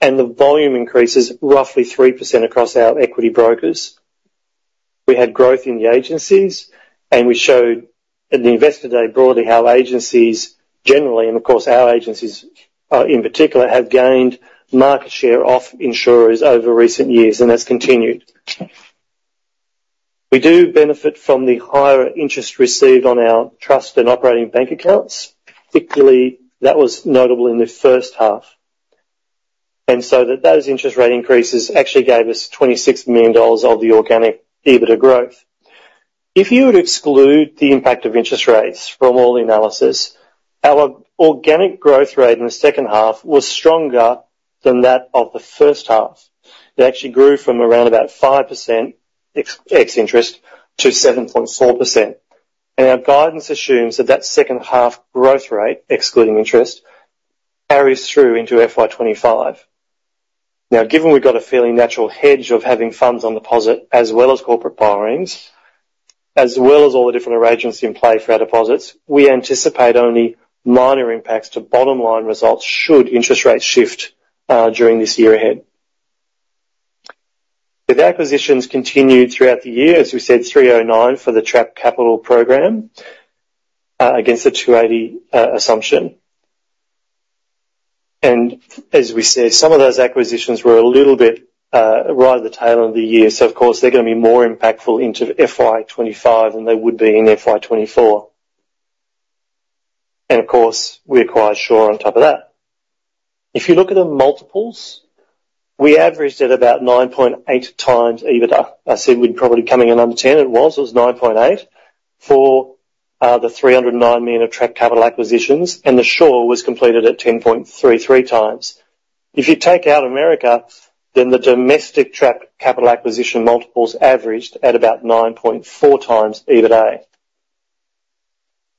and the volume increase is roughly 3% across our equity brokers. We had growth in the agencies, and we showed at the Investor Day broadly how agencies generally, and of course, our agencies, in particular, have gained market share off insurers over recent years, and that's continued. We do benefit from the higher interest received on our trust and operating bank accounts. Particularly, that was notable in the first half, and so that those interest rate increases actually gave us 26 million dollars of the organic EBITDA growth. If you would exclude the impact of interest rates from all the analysis, our organic growth rate in the second half was stronger than that of the first half. It actually grew from around about 5% ex interest to 7.4%, and our guidance assumes that that second half growth rate, excluding interest, carries through into FY 2025. Now, given we've got a fairly natural hedge of having funds on deposit as well as corporate borrowings, as well as all the different arrangements in play for our deposits, we anticipate only minor impacts to bottom line results should interest rates shift during this year ahead. With acquisitions continued throughout the year, as we said, 309 for the Trapped Capital program against the 280 assumption. And as we said, some of those acquisitions were a little bit right at the tail end of the year, so of course, they're gonna be more impactful into FY 2025 than they would be in FY 2024. And of course, we acquired Sure on top of that. If you look at the multiples, we averaged at about 9.8 times EBITDA. I said we'd probably coming in under ten, and it was 9.8 for the AUD 309 million of trapped capital acquisitions, and Sure was completed at 10.33 times. If you take out America, then the domestic trapped capital acquisition multiples averaged at about 9.4 times EBITDA.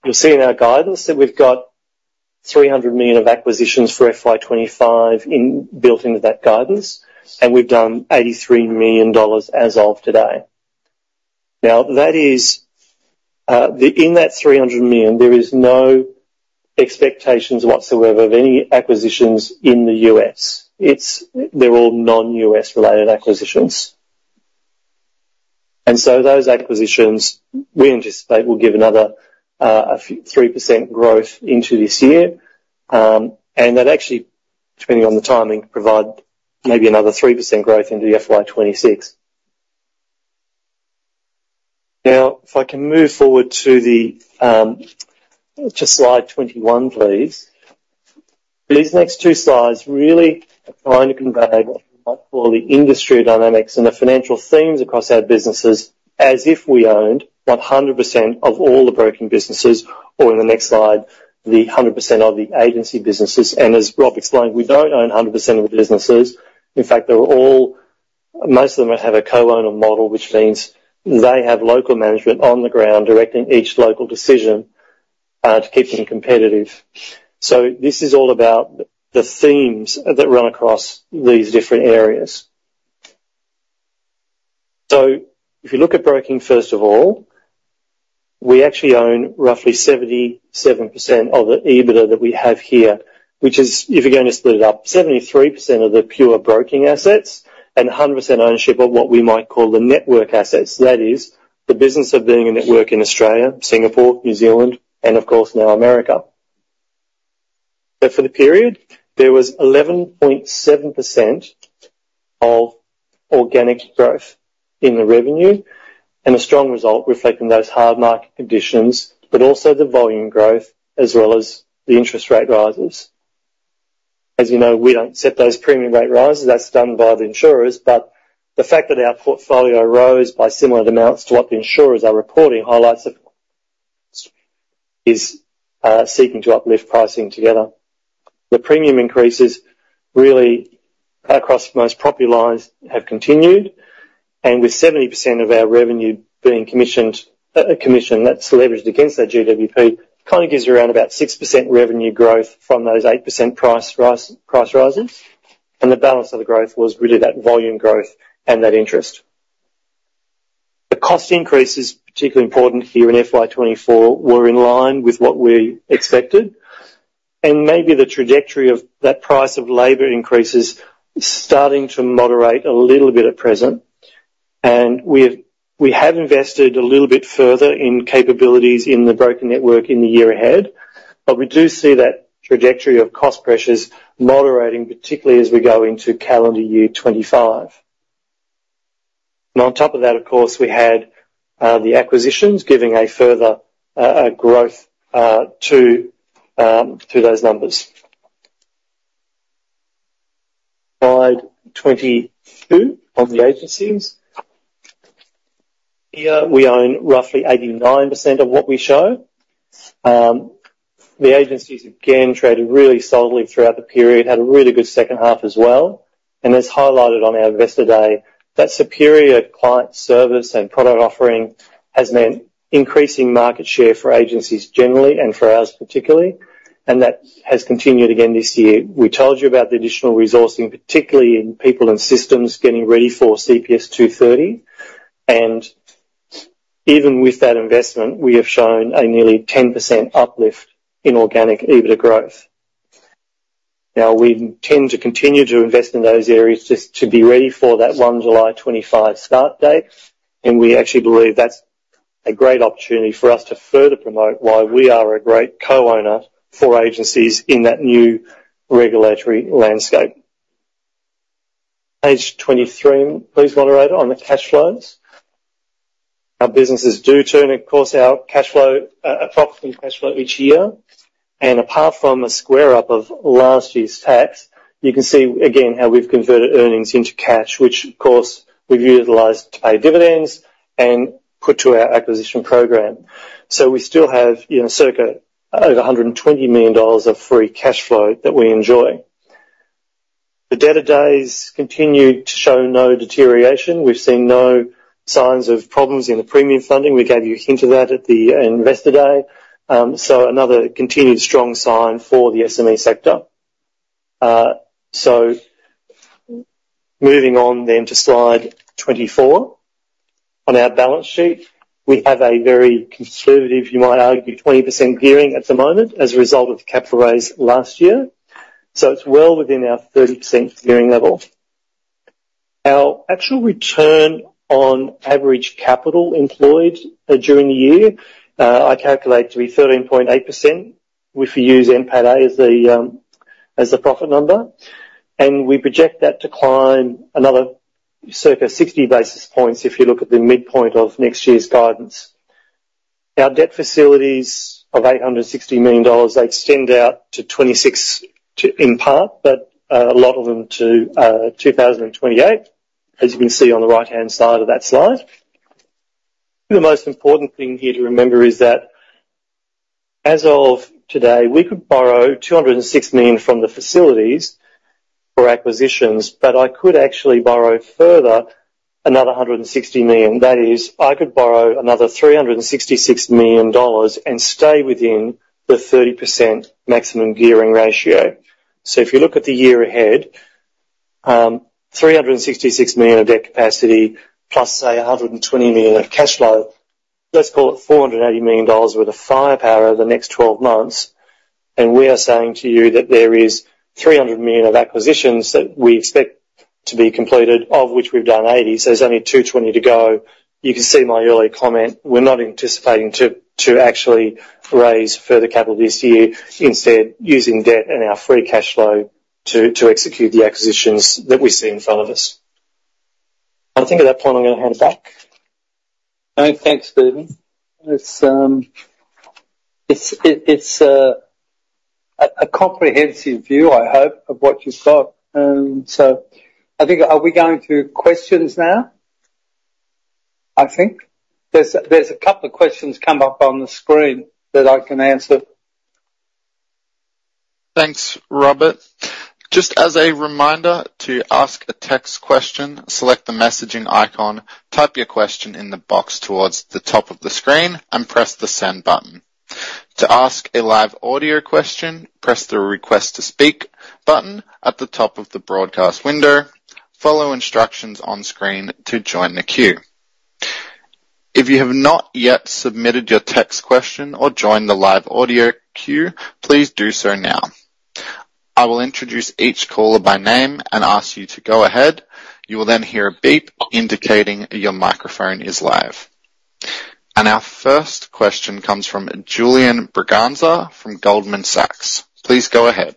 You'll see in our guidance that we've got 300 million of acquisitions for FY 2025 built into that guidance, and we've done 83 million dollars as of today. Now, that is, in that 300 million, there is no expectations whatsoever of any acquisitions in the U.S. It's they're all non-U.S. related acquisitions. And so those acquisitions, we anticipate, will give another 3% growth into this year, and that actually, depending on the timing, provide maybe another 3% growth into the FY 2026. Now, if I can move forward to the just slide 21, please. These next two slides really try and convey what I call the industry dynamics and the financial themes across our businesses as if we owned 100% of all the broking businesses, or in the next slide, 100% of the agency businesses. And as Rob explained, we don't own 100% of the businesses. In fact, they're all, most of them have a co-owner model, which means they have local management on the ground, directing each local decision to keep them competitive. So this is all about the themes that run across these different areas. So if you look at broking, first of all, we actually own roughly 77% of the EBITDA that we have here, which is, if you're going to split it up, 73% of the pure broking assets and 100% ownership of what we might call the network assets. That is, the business of being a network in Australia, Singapore, New Zealand, and of course, now America. But for the period, there was 11.7% of organic growth in the revenue, and a strong result reflecting those hard market conditions, but also the volume growth as well as the interest rate rises. As you know, we don't set those premium rate rises; that's done by the insurers, but the fact that our portfolio rose by similar amounts to what the insurers are reporting highlights that is seeking to uplift pricing together. The premium increases really across most property lines have continued, and with 70% of our revenue being commissioned, a commission that's leveraged against our GWP, kind of gives you around about 6% revenue growth from those 8% price rise, price rises, and the balance of the growth was really that volume growth and that interest. The cost increases, particularly important here in FY 2024, were in line with what we expected, and maybe the trajectory of that cost of labor increase is starting to moderate a little bit at present. And we've, we have invested a little bit further in capabilities in the broker network in the year ahead, but we do see that trajectory of cost pressures moderating, particularly as we go into calendar year 2025. And on top of that, of course, we had the acquisitions giving a further growth to those numbers. Slide 22 on the agencies. Here, we own roughly 89% of what we show. The agencies, again, traded really solidly throughout the period, had a really good second half as well, and as highlighted on our Investor Day, that superior client service and product offering has meant increasing market share for agencies generally, and for ours particularly, and that has continued again this year. We told you about the additional resourcing, particularly in people and systems, getting ready for CPS 230, and even with that investment, we have shown a nearly 10% uplift in organic EBITDA growth. Now, we intend to continue to invest in those areas just to be ready for that one July 2025 start date, and we actually believe that's a great opportunity for us to further promote why we are a great co-owner for agencies in that new regulatory landscape. Page 23, please, moderator, on the cash flows. Our businesses do turn, of course, our cash flow, approximate cash flow each year, and apart from a square-up of last year's tax, you can see again how we've converted earnings into cash, which of course, we've utilized to pay dividends and put to our acquisition program. So we still have, you know, circa over 120 million dollars of free cash flow that we enjoy. The debtor days continue to show no deterioration. We've seen no signs of problems in the premium funding. We gave you a hint of that at the Investor Day. So another continued strong sign for the SME sector. So moving on then to slide 24, on our balance sheet, we have a very conservative, you might argue, 20% gearing at the moment as a result of the capital raise last year, so it's well within our 30% gearing level. Our actual return on average capital employed, during the year, I calculate to be 13.8%, if you use NPATA as the, as the profit number, and we project that to climb another circa 60 basis points if you look at the midpoint of next year's guidance. Our debt facilities of 860 million dollars, they extend out to 2026 to, in part, but, a lot of them to 2028, as you can see on the right-hand side of that slide. The most important thing here to remember is that, as of today, we could borrow 260 million from the facilities for acquisitions, but I could actually borrow further another AUD 160 million. That is, I could borrow another 366 million dollars and stay within the 30% maximum gearing ratio. If you look at the year ahead, 366 million of debt capacity plus, say, 120 million of cash flow, let's call it AUD 480 million worth of firepower over the next 12 months, and we are saying to you that there is 300 million of acquisitions that we expect to be completed, of which we've done 80, so there's only 220 to go. You can see my earlier comment. We're not anticipating to actually raise further capital this year, instead using debt and our free cash flow to execute the acquisitions that we see in front of us. I think at that point, I'm gonna hand back. All right. Thanks, Stephen. It's a comprehensive view, I hope, of what you saw, and so I think... Are we going to questions now? I think. There's a couple of questions come up on the screen that I can answer. Thanks, Robert. Just as a reminder, to ask a text question, select the messaging icon, type your question in the box towards the top of the screen, and press the Send button. To ask a live audio question, press the Request to Speak button at the top of the broadcast window. Follow instructions on screen to join the queue. If you have not yet submitted your text question or joined the live audio queue, please do so now. I will introduce each caller by name and ask you to go ahead. You will then hear a beep indicating your microphone is live. And our first question comes from Julian Braganza from Goldman Sachs. Please go ahead.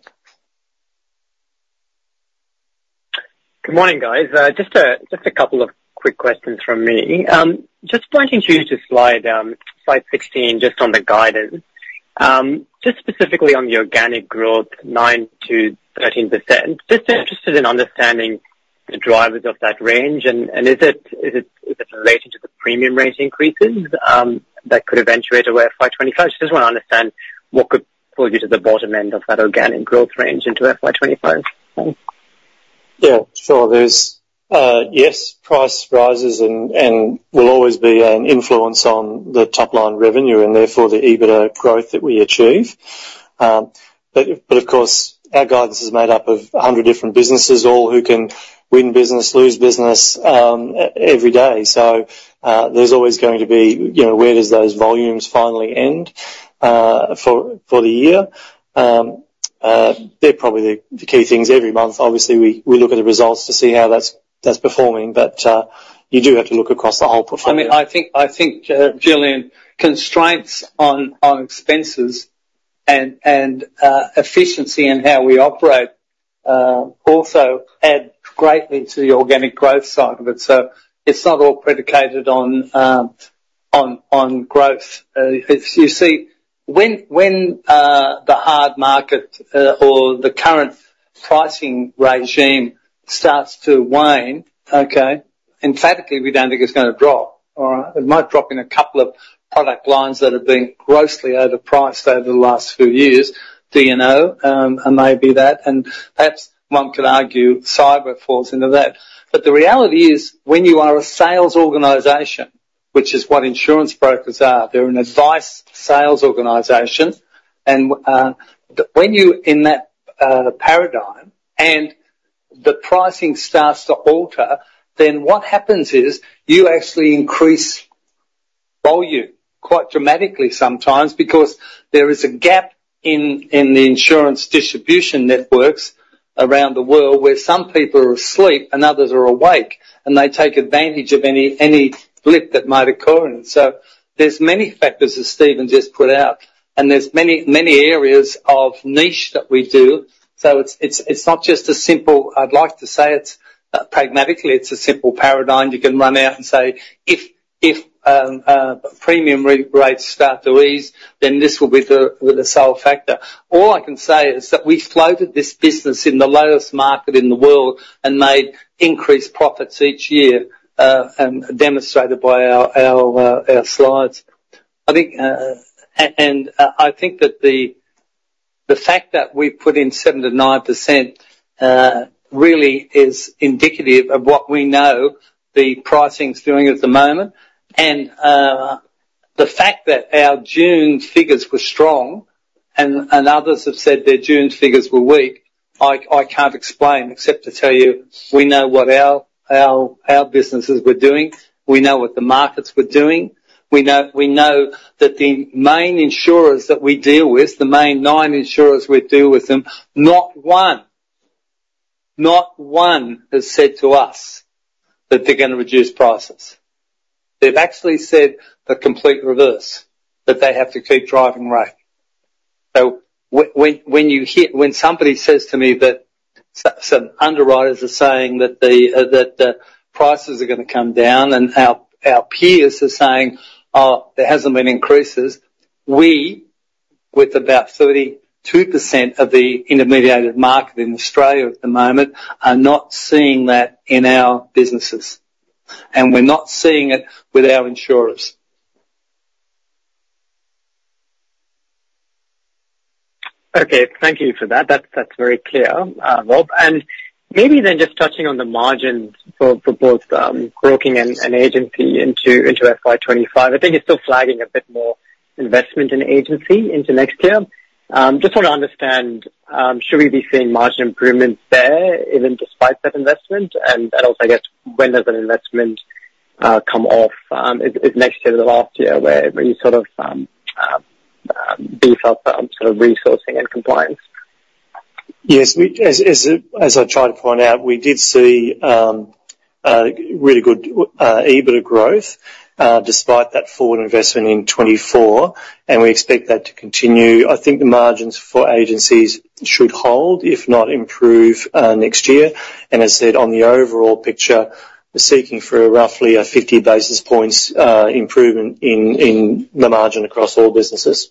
Good morning, guys. Just a couple of quick questions from me. Just pointing to the slide, slide 16, just on the guidance, just specifically on the organic growth, 9%-13%. Just interested in understanding the drivers of that range, and is it related to the premium rate increases that could eventuate over FY 2025? I just wanna understand what could pull you to the bottom end of that organic growth range into FY 2025. Yeah, sure. There's... Yes, price rises and will always be an influence on the top line revenue, and therefore, the EBITDA growth that we achieve. But, of course, our guidance is made up of 100 different businesses, all who can win business, lose business, every day. So, there's always going to be, you know, where does those volumes finally end, for the year? They're probably the key things. Every month, obviously, we look at the results to see how that's performing, but you do have to look across the whole portfolio. I mean, I think, Julian, constraints on expenses and efficiency in how we operate also add greatly to the organic growth side of it. So it's not all predicated on growth. If it's-- You see, when the hard market or the current pricing regime starts to wane, okay, emphatically, we don't think it's gonna drop. All right? It might drop in a couple of product lines that have been grossly overpriced over the last few years, D&O, and maybe that, and perhaps one could argue cyber falls into that. But the reality is, when you are a sales organization, which is what insurance brokers are, they're an advice sales organization, and when you're in that paradigm, and the pricing starts to alter, then what happens is you actually increase volume quite dramatically sometimes because there is a gap in the insurance distribution networks around the world, where some people are asleep and others are awake, and they take advantage of any blip that might occur. And so there's many factors, as Stephen just put out, and there's many, many areas of niche that we do. So it's not just a simple. I'd like to say it's pragmatically, it's a simple paradigm. You can run out and say, "If premium re-rates start to ease, then this will be the sole factor." All I can say is that we floated this business in the lowest market in the world and made increased profits each year, demonstrated by our slides. I think, and I think that the fact that we've put in 7%-9% really is indicative of what we know the pricing's doing at the moment, and. The fact that our June figures were strong and others have said their June figures were weak, I can't explain, except to tell you we know what our businesses were doing. We know what the markets were doing. We know, we know that the main insurers that we deal with, the main nine insurers we deal with them, not one, not one has said to us that they're gonna reduce prices. They've actually said the complete reverse, that they have to keep driving rate. So when you hear when somebody says to me that some underwriters are saying that the prices are gonna come down, and our peers are saying, "Oh, there hasn't been increases," we, with about 32% of the intermediated market in Australia at the moment, are not seeing that in our businesses, and we're not seeing it with our insurers. Okay, thank you for that. That's very clear, Rob. And maybe then just touching on the margins for both broking and agency into FY 2025. I think you're still flagging a bit more investment in agency into next year. Just want to understand, should we be seeing margin improvements there, even despite that investment? And then also, I guess, when does that investment come off? Is it next year or the last year, where you sort of beef up sort of resourcing and compliance? Yes. As I tried to point out, we did see a really good EBITDA growth, despite that forward investment in 2024, and we expect that to continue. I think the margins for agencies should hold, if not improve, next year. As I said, on the overall picture, we're seeking roughly 50 basis points improvement in the margin across all businesses.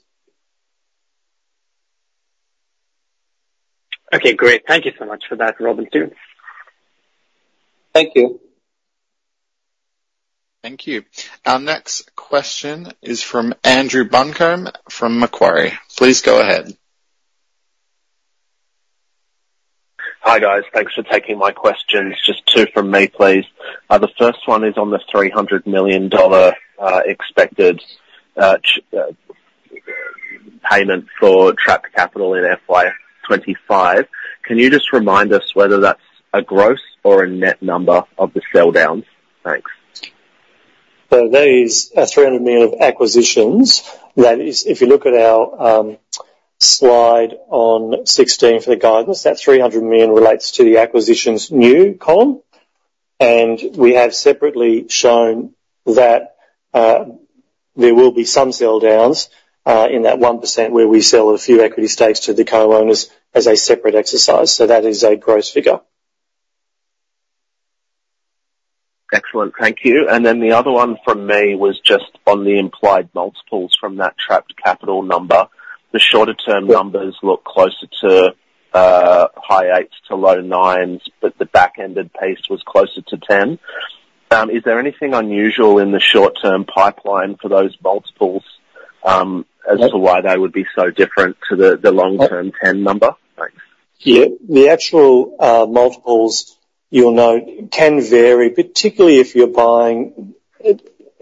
Okay, great. Thank you so much for that, Rob, and team. Thank you. Thank you. Our next question is from Andrew Buncombe from Macquarie. Please go ahead. Hi, guys. Thanks for taking my questions. Just two from me, please. The first one is on the 300 million dollar expected payment for trapped capital in FY 2025. Can you just remind us whether that's a gross or a net number of the sell downs? Thanks. That is 300 million of acquisitions. That is, if you look at our slide on 16 for the guidance, that 300 million relates to the acquisitions new column, and we have separately shown that there will be some sell downs in that 1% where we sell a few equity stakes to the co-owners as a separate exercise. That is a gross figure. Excellent. Thank you. And then the other one from me was just on the implied multiples from that trapped capital number. The shorter-term- Yep Numbers look closer to high eights to low nines, but the back-ended pace was closer to 10. Is there anything unusual in the short-term pipeline for those multiples? Yep - as to why they would be so different to the long-term- Yep Ten number? Thanks. Yeah. The actual multiples you'll note can vary, particularly if you're buying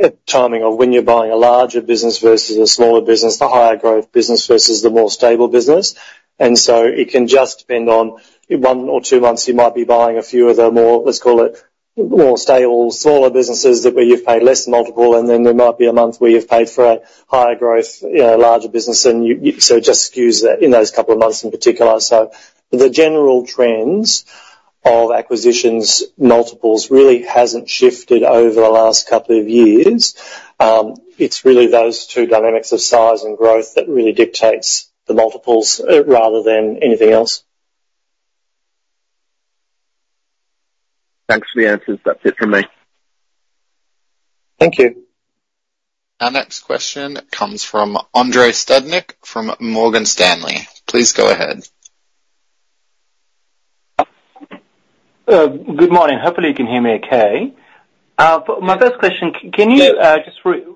at timing of when you're buying a larger business versus a smaller business, the higher growth business versus the more stable business. And so it can just depend on one or two months, you might be buying a few of the more, let's call it, more stable, smaller businesses that where you've paid less multiple, and then there might be a month where you've paid for a higher growth, you know, larger business, and so it just skews that in those couple of months in particular. So the general trends of acquisitions multiples really hasn't shifted over the last couple of years. It's really those two dynamics of size and growth that really dictates the multiples rather than anything else. Thanks for the answers. That's it from me. Thank you. Our next question comes from Andrei Stadnik from Morgan Stanley. Please go ahead. Good morning. Hopefully, you can hear me okay. My first question, can you just re- Yes.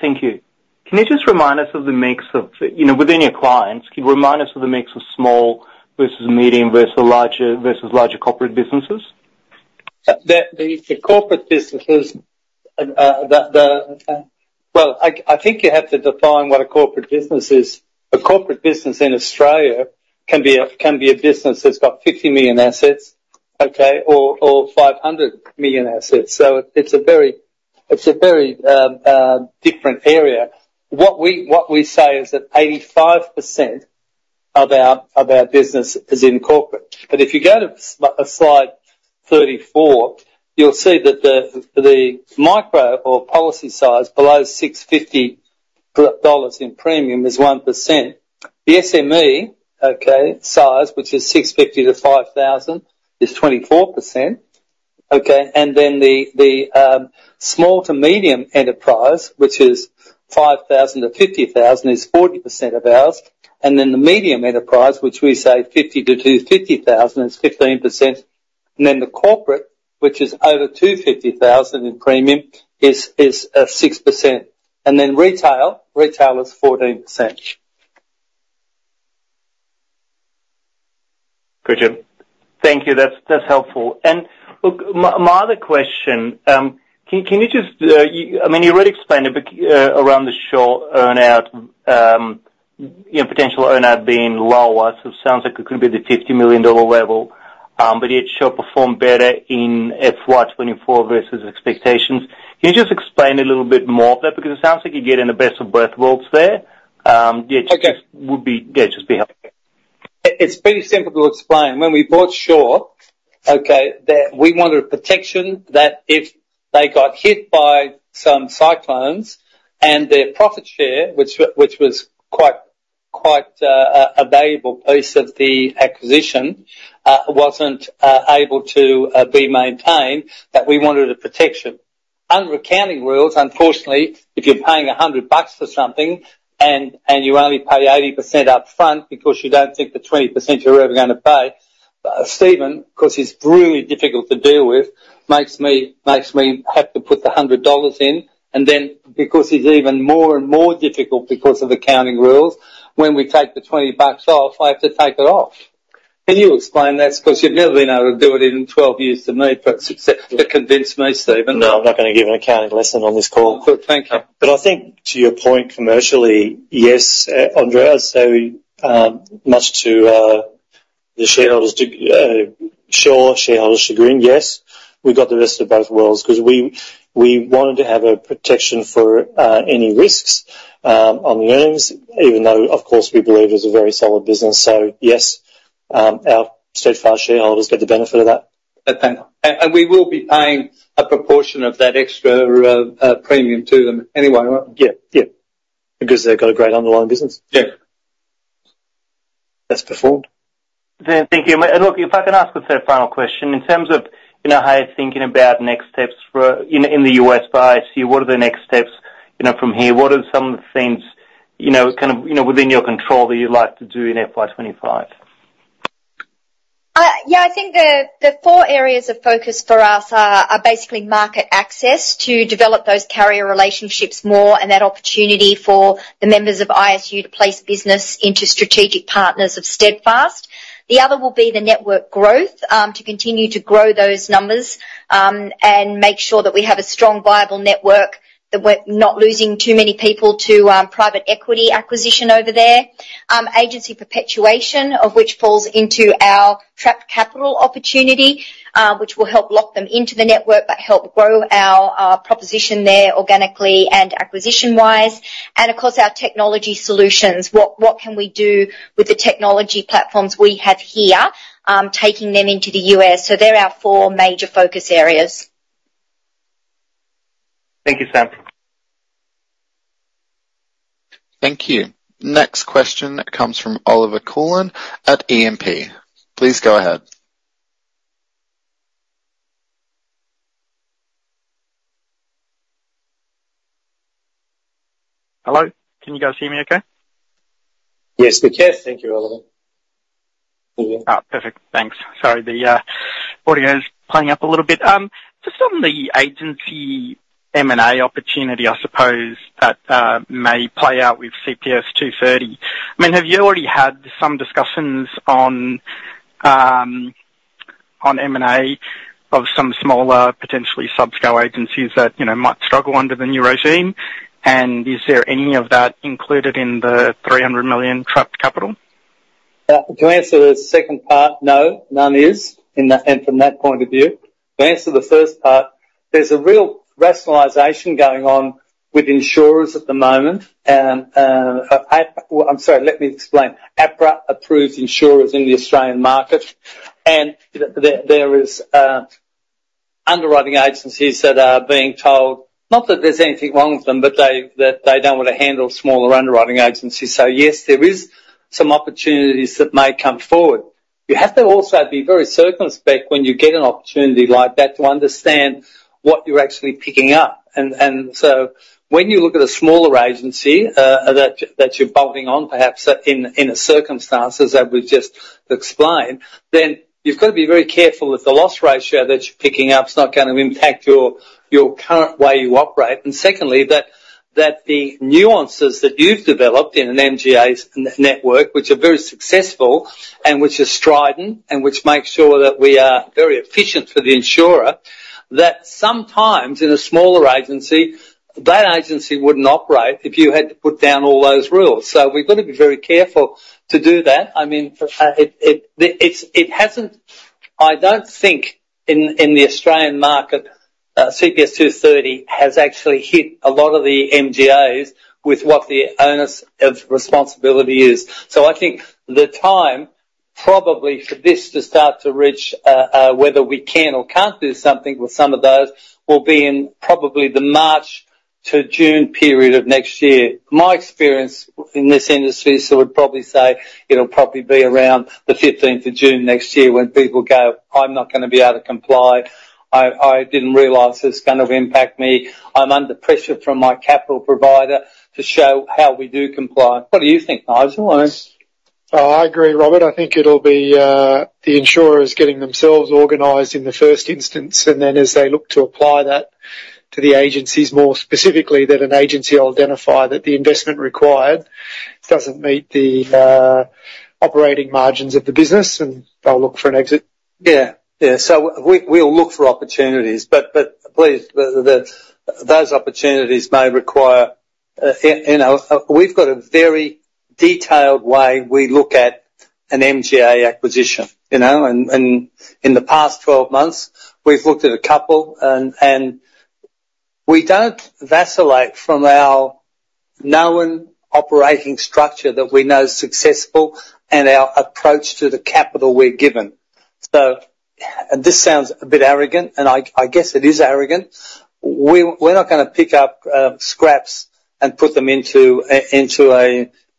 Thank you. Can you just remind us of the mix of, you know, within your clients, can you remind us of the mix of small versus medium versus larger, versus larger corporate businesses? The corporate businesses. Well, I think you have to define what a corporate business is. A corporate business in Australia can be a business that's got 50 million assets, okay, or 500 million assets, so it's a very different area. What we say is that 85% of our business is in corporate. But if you go to slide 34, you'll see that the micro or policy size below 650 dollars in premium is 1%. The SME, okay, size, which is 650-5,000, is 24%. Okay, and then the small to medium enterprise, which is 5,000-50,000, is 40% of ours, and then the medium enterprise, which we say 50,000-250,000, is 15%, and then the corporate, which is over 250,000 in premium, is 6%. And then retail is 14%.... Thank you. That's helpful. And look, my other question, can you just, I mean, you already explained it, but around the short earn-out, you know, potential earn-out being lower. So it sounds like it could be the 50 million dollar level, but it shall perform better in FY 2024 versus expectations. Can you just explain a little bit more of that? Because it sounds like you're getting the best of both worlds there. Yeah- Okay. Just would be, yeah, just be helpful. It's pretty simple to explain. When we bought Sure, okay, that we wanted a protection that if they got hit by some cyclones and their profit share, which was quite a valuable piece of the acquisition, wasn't able to be maintained, that we wanted a protection. Under accounting rules, unfortunately, if you're paying 100 bucks for something and you only pay 80% upfront because you don't think the 20% you're ever gonna pay, Stephen, 'cause he's really difficult to deal with, makes me have to put the 100 dollars in, and then because he's even more difficult because of accounting rules, when we take the 20 bucks off, I have to take it off. Can you explain this? Because you've never been able to do it in 12 years to me, but successfully to convince me, Stephen. No, I'm not gonna give an accounting lesson on this call. Good. Thank you. But I think to your point, commercially, yes, Andrei, I'd say, much to the shareholders too, Sure shareholders agreeing, yes, we've got the best of both worlds, 'cause we, we wanted to have a protection for any risks on the earnings, even though, of course, we believe it's a very solid business. So yes, our Steadfast shareholders get the benefit of that. Okay. And we will be paying a proportion of that extra premium to them anyway, right? Yeah. Yeah, because they've got a great underlying business. Yeah. That's performed. Thank you. Look, if I can ask a third final question, in terms of, you know, how you're thinking about next steps for... In the U.S. by ISU, what are the next steps, you know, from here? What are some of the things, you know, kind of, you know, within your control that you'd like to do in FY 2025? Yeah, I think the four areas of focus for us are basically market access, to develop those carrier relationships more and that opportunity for the members of ISU to place business into strategic partners of Steadfast. The other will be the network growth, to continue to grow those numbers, and make sure that we have a strong, viable network, that we're not losing too many people to private equity acquisition over there. Agency perpetuation, of which falls into our trapped capital opportunity, which will help lock them into the network, but help grow our proposition there organically and acquisition-wise. And of course, our technology solutions. What can we do with the technology platforms we have here, taking them into the US? So they're our four major focus areas. Thank you, Sam. Thank you. Next question comes from Olivier Coulon at E&P. Please go ahead. Hello, can you guys hear me okay? Yes, we can. Thank you, Olivier. Ah, perfect. Thanks. Sorry, the audio is playing up a little bit. Just on the agency M&A opportunity, I suppose, that may play out with CPS 230. I mean, have you already had some discussions on M&A of some smaller, potentially subscale agencies that, you know, might struggle under the new regime? And is there any of that included in the 300 million trapped capital? To answer the second part, no, none is, in that... and from that point of view. To answer the first part, there's a real rationalization going on with insurers at the moment. Well, I'm sorry, let me explain. APRA approves insurers in the Australian market, and there is underwriting agencies that are being told, not that there's anything wrong with them, but that they don't want to handle smaller underwriting agencies. So yes, there is some opportunities that may come forward. You have to also be very circumspect when you get an opportunity like that, to understand what you're actually picking up. And so when you look at a smaller agency that you're bolting on, perhaps, in the circumstances that we've just explained, then you've got to be very careful that the loss ratio that you're picking up is not gonna impact your current way you operate. Secondly, that the nuances that you've developed in an MGA's network, which are very successful and which is stringent, and which makes sure that we are very efficient for the insurer, that sometimes in a smaller agency, that agency wouldn't operate if you had to put down all those rules. So we've got to be very careful to do that. I mean, it's. It hasn't. I don't think in the Australian market, CPS 230 has actually hit a lot of the MGAs with what the onus of responsibility is. So I think the time probably for this to start to reach whether we can or can't do something with some of those will be in probably the March to June period of next year. My experience in this industry, so would probably say it'll probably be around the fifteenth of June next year when people go: "I'm not gonna be able to comply. I, I didn't realize it's gonna impact me. I'm under pressure from my capital provider to show how we do comply." What do you think, Nigel? I agree, Robert. I think it'll be the insurers getting themselves organized in the first instance, and then as they look to apply that to the agencies, more specifically, that an agency will identify that the investment required doesn't meet the operating margins of the business, and they'll look for an exit.... Yeah, yeah. So we'll look for opportunities, but please, those opportunities may require, you know, we've got a very detailed way we look at an MGA acquisition, you know? And in the past 12 months, we've looked at a couple, and we don't vacillate from our known operating structure that we know is successful and our approach to the capital we're given. So this sounds a bit arrogant, and I guess it is arrogant. We're not gonna pick up scraps and put them into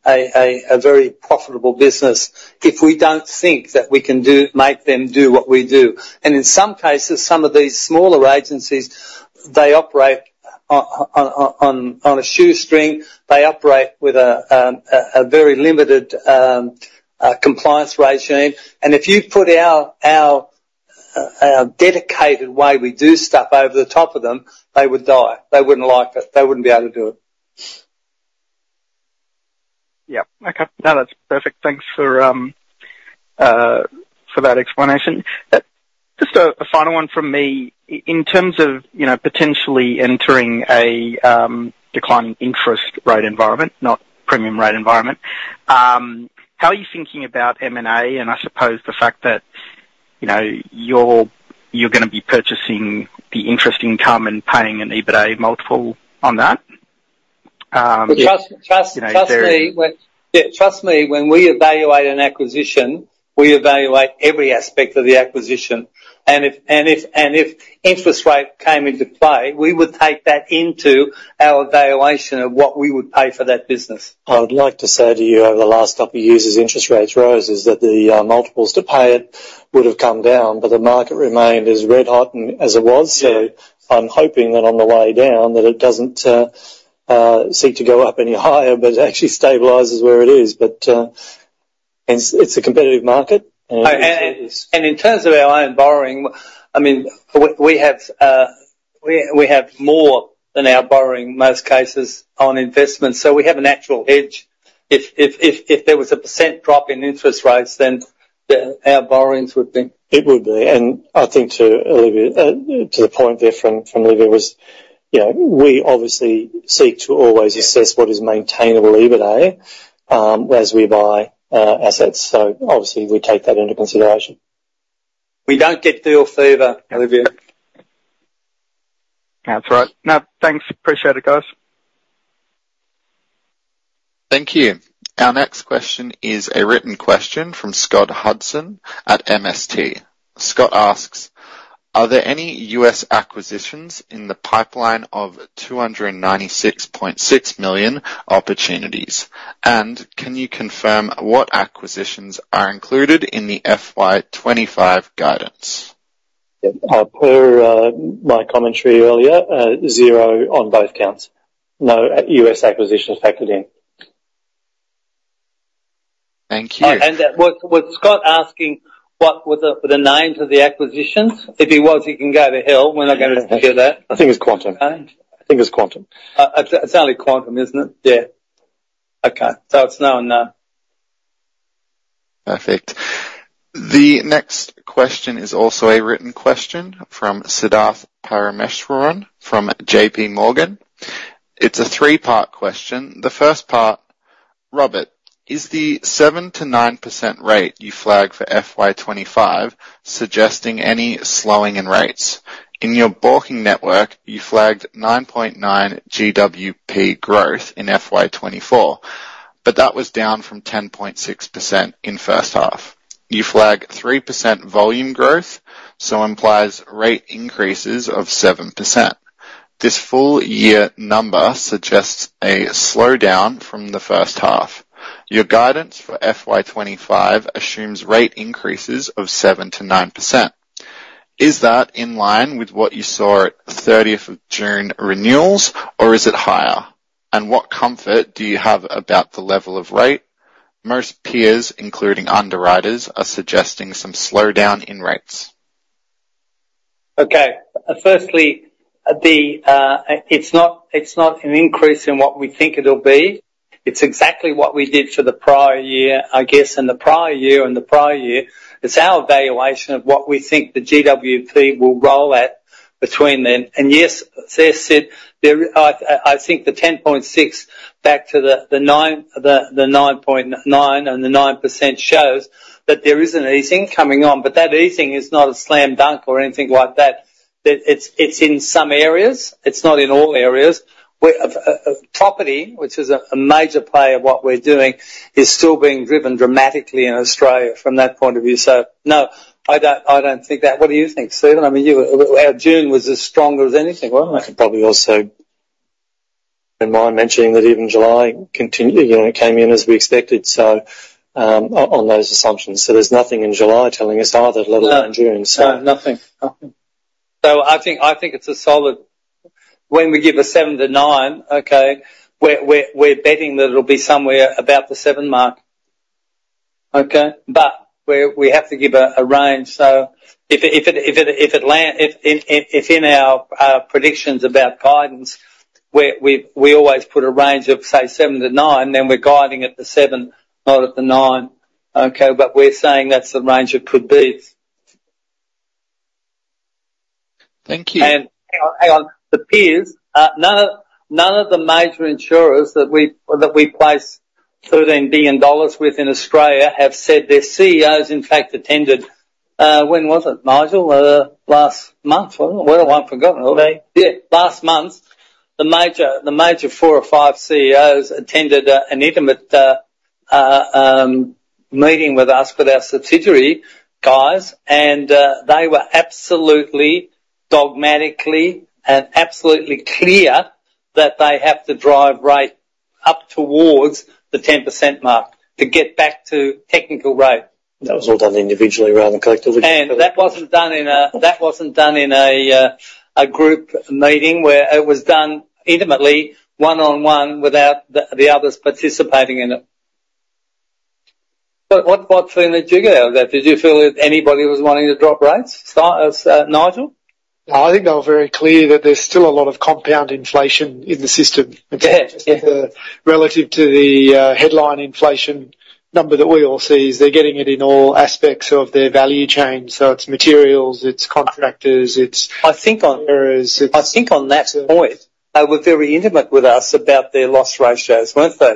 a very profitable business if we don't think that we can make them do what we do. And in some cases, some of these smaller agencies, they operate on a shoestring. They operate with a very limited compliance regime. And if you put our dedicated way we do stuff over the top of them, they would die. They wouldn't like it. They wouldn't be able to do it. Yep. Okay. No, that's perfect. Thanks for that explanation. Just a final one from me. In terms of, you know, potentially entering a declining interest rate environment, not premium rate environment, how are you thinking about M&A? And I suppose the fact that, you know, you're gonna be purchasing the interest income and paying an EBITDA multiple on that. Yeah, you know, very- Yeah, trust me, when we evaluate an acquisition, we evaluate every aspect of the acquisition, and if interest rate came into play, we would take that into our evaluation of what we would pay for that business. I would like to say to you, over the last couple years, as interest rates rose, is that the multiples to pay it would've come down, but the market remained as red-hot and as it was. So I'm hoping that on the way down, that it doesn't seek to go up any higher, but it actually stabilizes where it is. But, it's a competitive market, and it is. In terms of our own borrowing, I mean, we have more than our borrowing, in most cases, on investments, so we have a natural edge. If there was a 1% drop in interest rates, then our borrowings would be. It would be, and I think to Olivier, to the point there from, from Olivier was, you know, we obviously seek to always assess what is maintainable EBITDA, as we buy, assets. So obviously, we take that into consideration. We don't get deal fever, Oliver. That's right. No, thanks. Appreciate it, guys. Thank you. Our next question is a written question from Scott Hudson at MST. Scott asks: "Are there any U.S. acquisitions in the pipeline of 296.6 million opportunities? And can you confirm what acquisitions are included in the FY 2025 guidance? Yep. Per my commentary earlier, zero on both counts. No, U.S. acquisition is factored in. Thank you. Was Scott asking what were the names of the acquisitions? If he was, he can go to hell. We're not gonna do that. I think it's Quantum. Eh? I think it's Quantum. It's only Quantum, isn't it? Yeah. Okay. So it's no and no. Perfect. The next question is also a written question from Siddharth Parameswaran from JPMorgan. It's a three-part question. The first part: Robert, is the 7%-9% rate you flagged for FY 2025 suggesting any slowing in rates? In your broker network, you flagged 9.9% GWP growth in FY 2024, but that was down from 10.6% in first half. You flagged 3% volume growth, so implies rate increases of 7%. This full year number suggests a slowdown from the first half. Your guidance for FY 2025 assumes rate increases of 7%-9%. Is that in line with what you saw at 13 June renewals, or is it higher? And what comfort do you have about the level of rate? Most peers, including underwriters, are suggesting some slowdown in rates. Okay. Firstly, it's not, it's not an increase in what we think it'll be. It's exactly what we did for the prior year, I guess, and the prior year and the prior year. It's our evaluation of what we think the GWP will roll at between then. And yes, Sid, I think the 10.6% back to the 9.9% and the 9% shows that there is an easing coming on, but that easing is not a slam dunk or anything like that. It's in some areas. It's not in all areas. We're property, which is a major play of what we're doing, is still being driven dramatically in Australia from that point of view. So, no, I don't think that. What do you think, Stephen? I mean, you. Our June was as strong as anything, wasn't it? I can probably also mention that even July continued. You know, it came in as we expected, so, on those assumptions, so there's nothing in July telling us either, let alone June. No, nothing. Nothing. So I think it's a solid. When we give a seven to nine, okay, we're betting that it'll be somewhere about the seven mark. Okay? But we have to give a range, so if it lands in our predictions about guidance, where we always put a range of, say, seven to nine, then we're guiding at the seven, not at the nine, okay? But we're saying that's the range it could be. Thank you. Hang on, hang on. The peers, none of the major insurers that we place 13 billion dollars with in Australia have said their CEOs, in fact, attended, when was it, Nigel? Last month. Well, I've forgotten, were they? Yeah, last month, the major four or five CEOs attended, an intimate, meeting with us, with our statutory guys, and, they were absolutely dogmatically and absolutely clear that they have to drive rate up towards the 10% mark to get back to technical rate. That was all done individually rather than collectively. And that wasn't done in a group meeting, where it was done intimately, one-on-one, without the others participating in it. But what feeling did you get out of that? Did you feel that anybody was wanting to drop rates, Nigel? I think they were very clear that there's still a lot of compound inflation in the system. Yeah, yeah. Relative to the headline inflation number that we all see, they're getting it in all aspects of their value chain. So it's materials, it's contractors, it's- I think on- -carriers, it's- I think on that point, they were very intimate with us about their loss ratios, weren't they?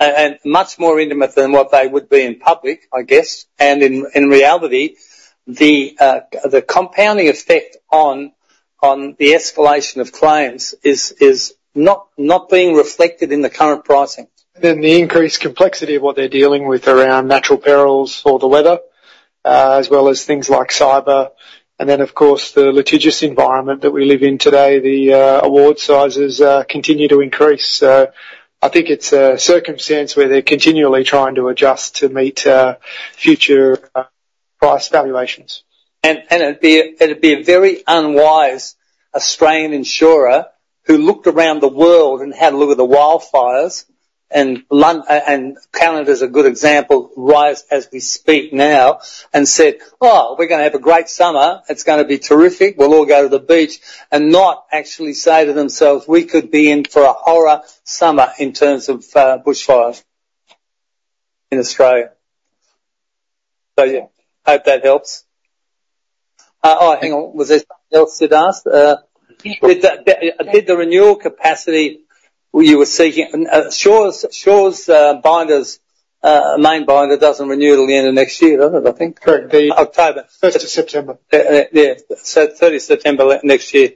And much more intimate than what they would be in public, I guess. And in reality, the compounding effect on the escalation of claims is not being reflected in the current pricing. Then the increased complexity of what they're dealing with around natural perils or the weather, as well as things like cyber, and then, of course, the litigious environment that we live in today, the award sizes continue to increase. So I think it's a circumstance where they're continually trying to adjust to meet future price valuations. It'd be a very unwise Australian insurer who looked around the world and had a look at the wildfires, and Canada is a good example, fires as we speak now, and said, "Oh, we're gonna have a great summer. It's gonna be terrific. We'll all go to the beach," and not actually say to themselves, "We could be in for a horror summer in terms of bushfires in Australia." So yeah, I hope that helps. Oh, hang on. Was there something else you'd asked? Did the renewal capacity you were seeking... Sure's binders, main binder doesn't renew till the end of next year, does it, I think? Correct. October. First of September. So, 30 September next year.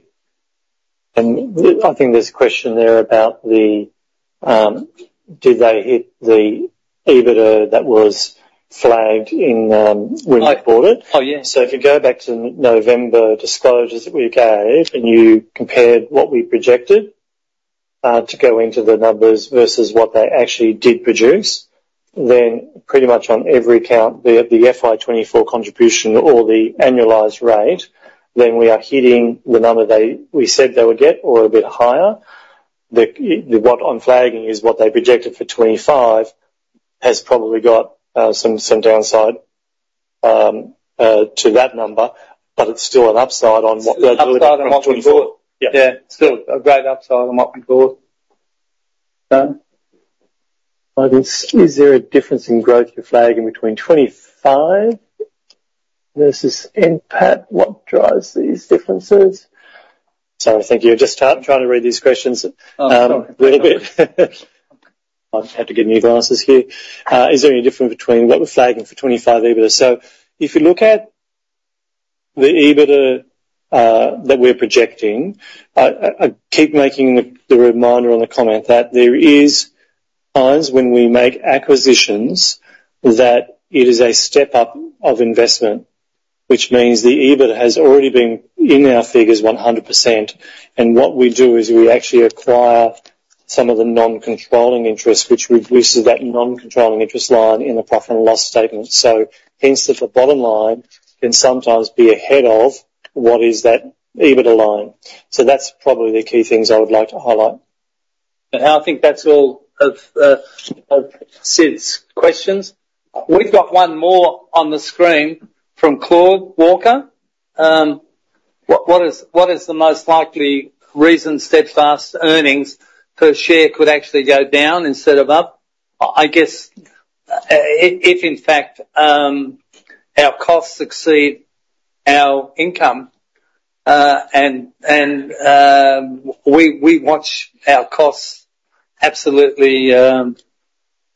And I think there's a question there about the, did they hit the EBITDA that was flagged in, when they bought it? Oh, yeah. So if you go back to November disclosures that we gave, and you compared what we projected to go into the numbers versus what they actually did produce, then pretty much on every count, the FY 2024 contribution or the annualized rate, then we are hitting the number we said they would get or a bit higher. What I'm flagging is what they projected for 2025 has probably got some downside to that number, but it's still an upside on what they're doing- Upside on what we bought. Yeah. Yeah, still a great upside on what we bought. I think, is there a difference in growth you're flagging between 25 versus NPAT? What drives these differences? Sorry, thank you. I'm just trying to read these questions. A little bit. I'll have to get new glasses here. Is there any difference between what we're flagging for 25 EBITDA? So if you look at the EBITDA that we're projecting, I keep making the reminder on the comment that there is times when we make acquisitions, that it is a step-up of investment, which means the EBITDA has already been in our figures 100%, and what we do is we actually acquire some of the non-controlling interests, which reduces that non-controlling interest line in the profit and loss statement. So hence, that the bottom line can sometimes be ahead of what is that EBITDA line. So that's probably the key things I would like to highlight. And I think that's all of Sid's questions. We've got one more on the screen from Claude Walker: What is the most likely reason Steadfast earnings per share could actually go down instead of up? I guess if in fact our costs exceed our income and we watch our costs absolutely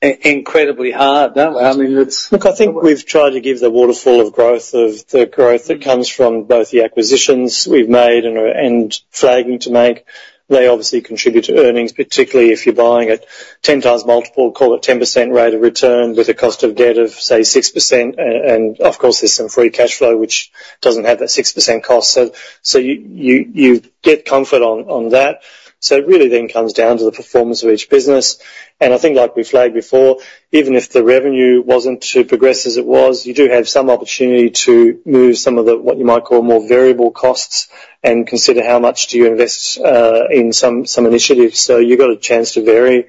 incredibly hard, no? I mean, it's- Look, I think we've tried to give the waterfall of growth, of the growth that comes from both the acquisitions we've made and are flagging to make. They obviously contribute to earnings, particularly if you're buying at 10x multiple, call it 10% rate of return, with a cost of debt of, say, 6%. And of course, there's some free cash flow, which doesn't have that 6% cost. So you get comfort on that. So it really then comes down to the performance of each business. And I think like we flagged before, even if the revenue wasn't to progress as it was, you do have some opportunity to move some of the, what you might call, more variable costs and consider how much do you invest in some initiatives. So you've got a chance to vary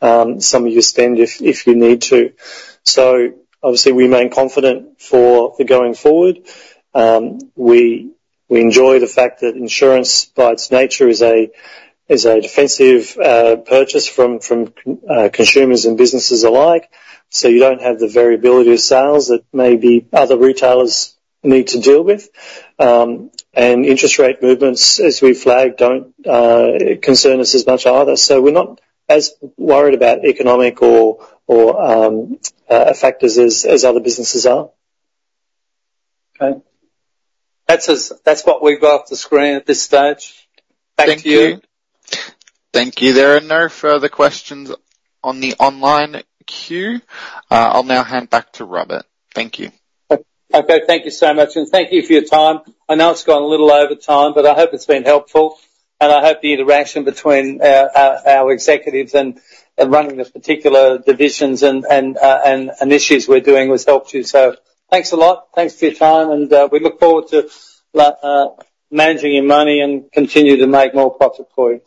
some of your spend if you need to. So obviously, we remain confident for the going forward. We enjoy the fact that insurance, by its nature, is a defensive purchase from consumers and businesses alike, so you don't have the variability of sales that maybe other retailers need to deal with. And interest rate movements, as we flagged, don't concern us as much either. So we're not as worried about economic or factors as other businesses are. Okay. That's what we've got off the screen at this stage. Back to you. Thank you. Thank you. There are no further questions on the online queue. I'll now hand back to Robert. Thank you. Okay. Thank you so much, and thank you for your time. I know it's gone a little over time, but I hope it's been helpful, and I hope the interaction between our executives and running the particular divisions and issues we're doing has helped you. So thanks a lot. Thanks for your time, and we look forward to managing your money and continue to make more profit for you.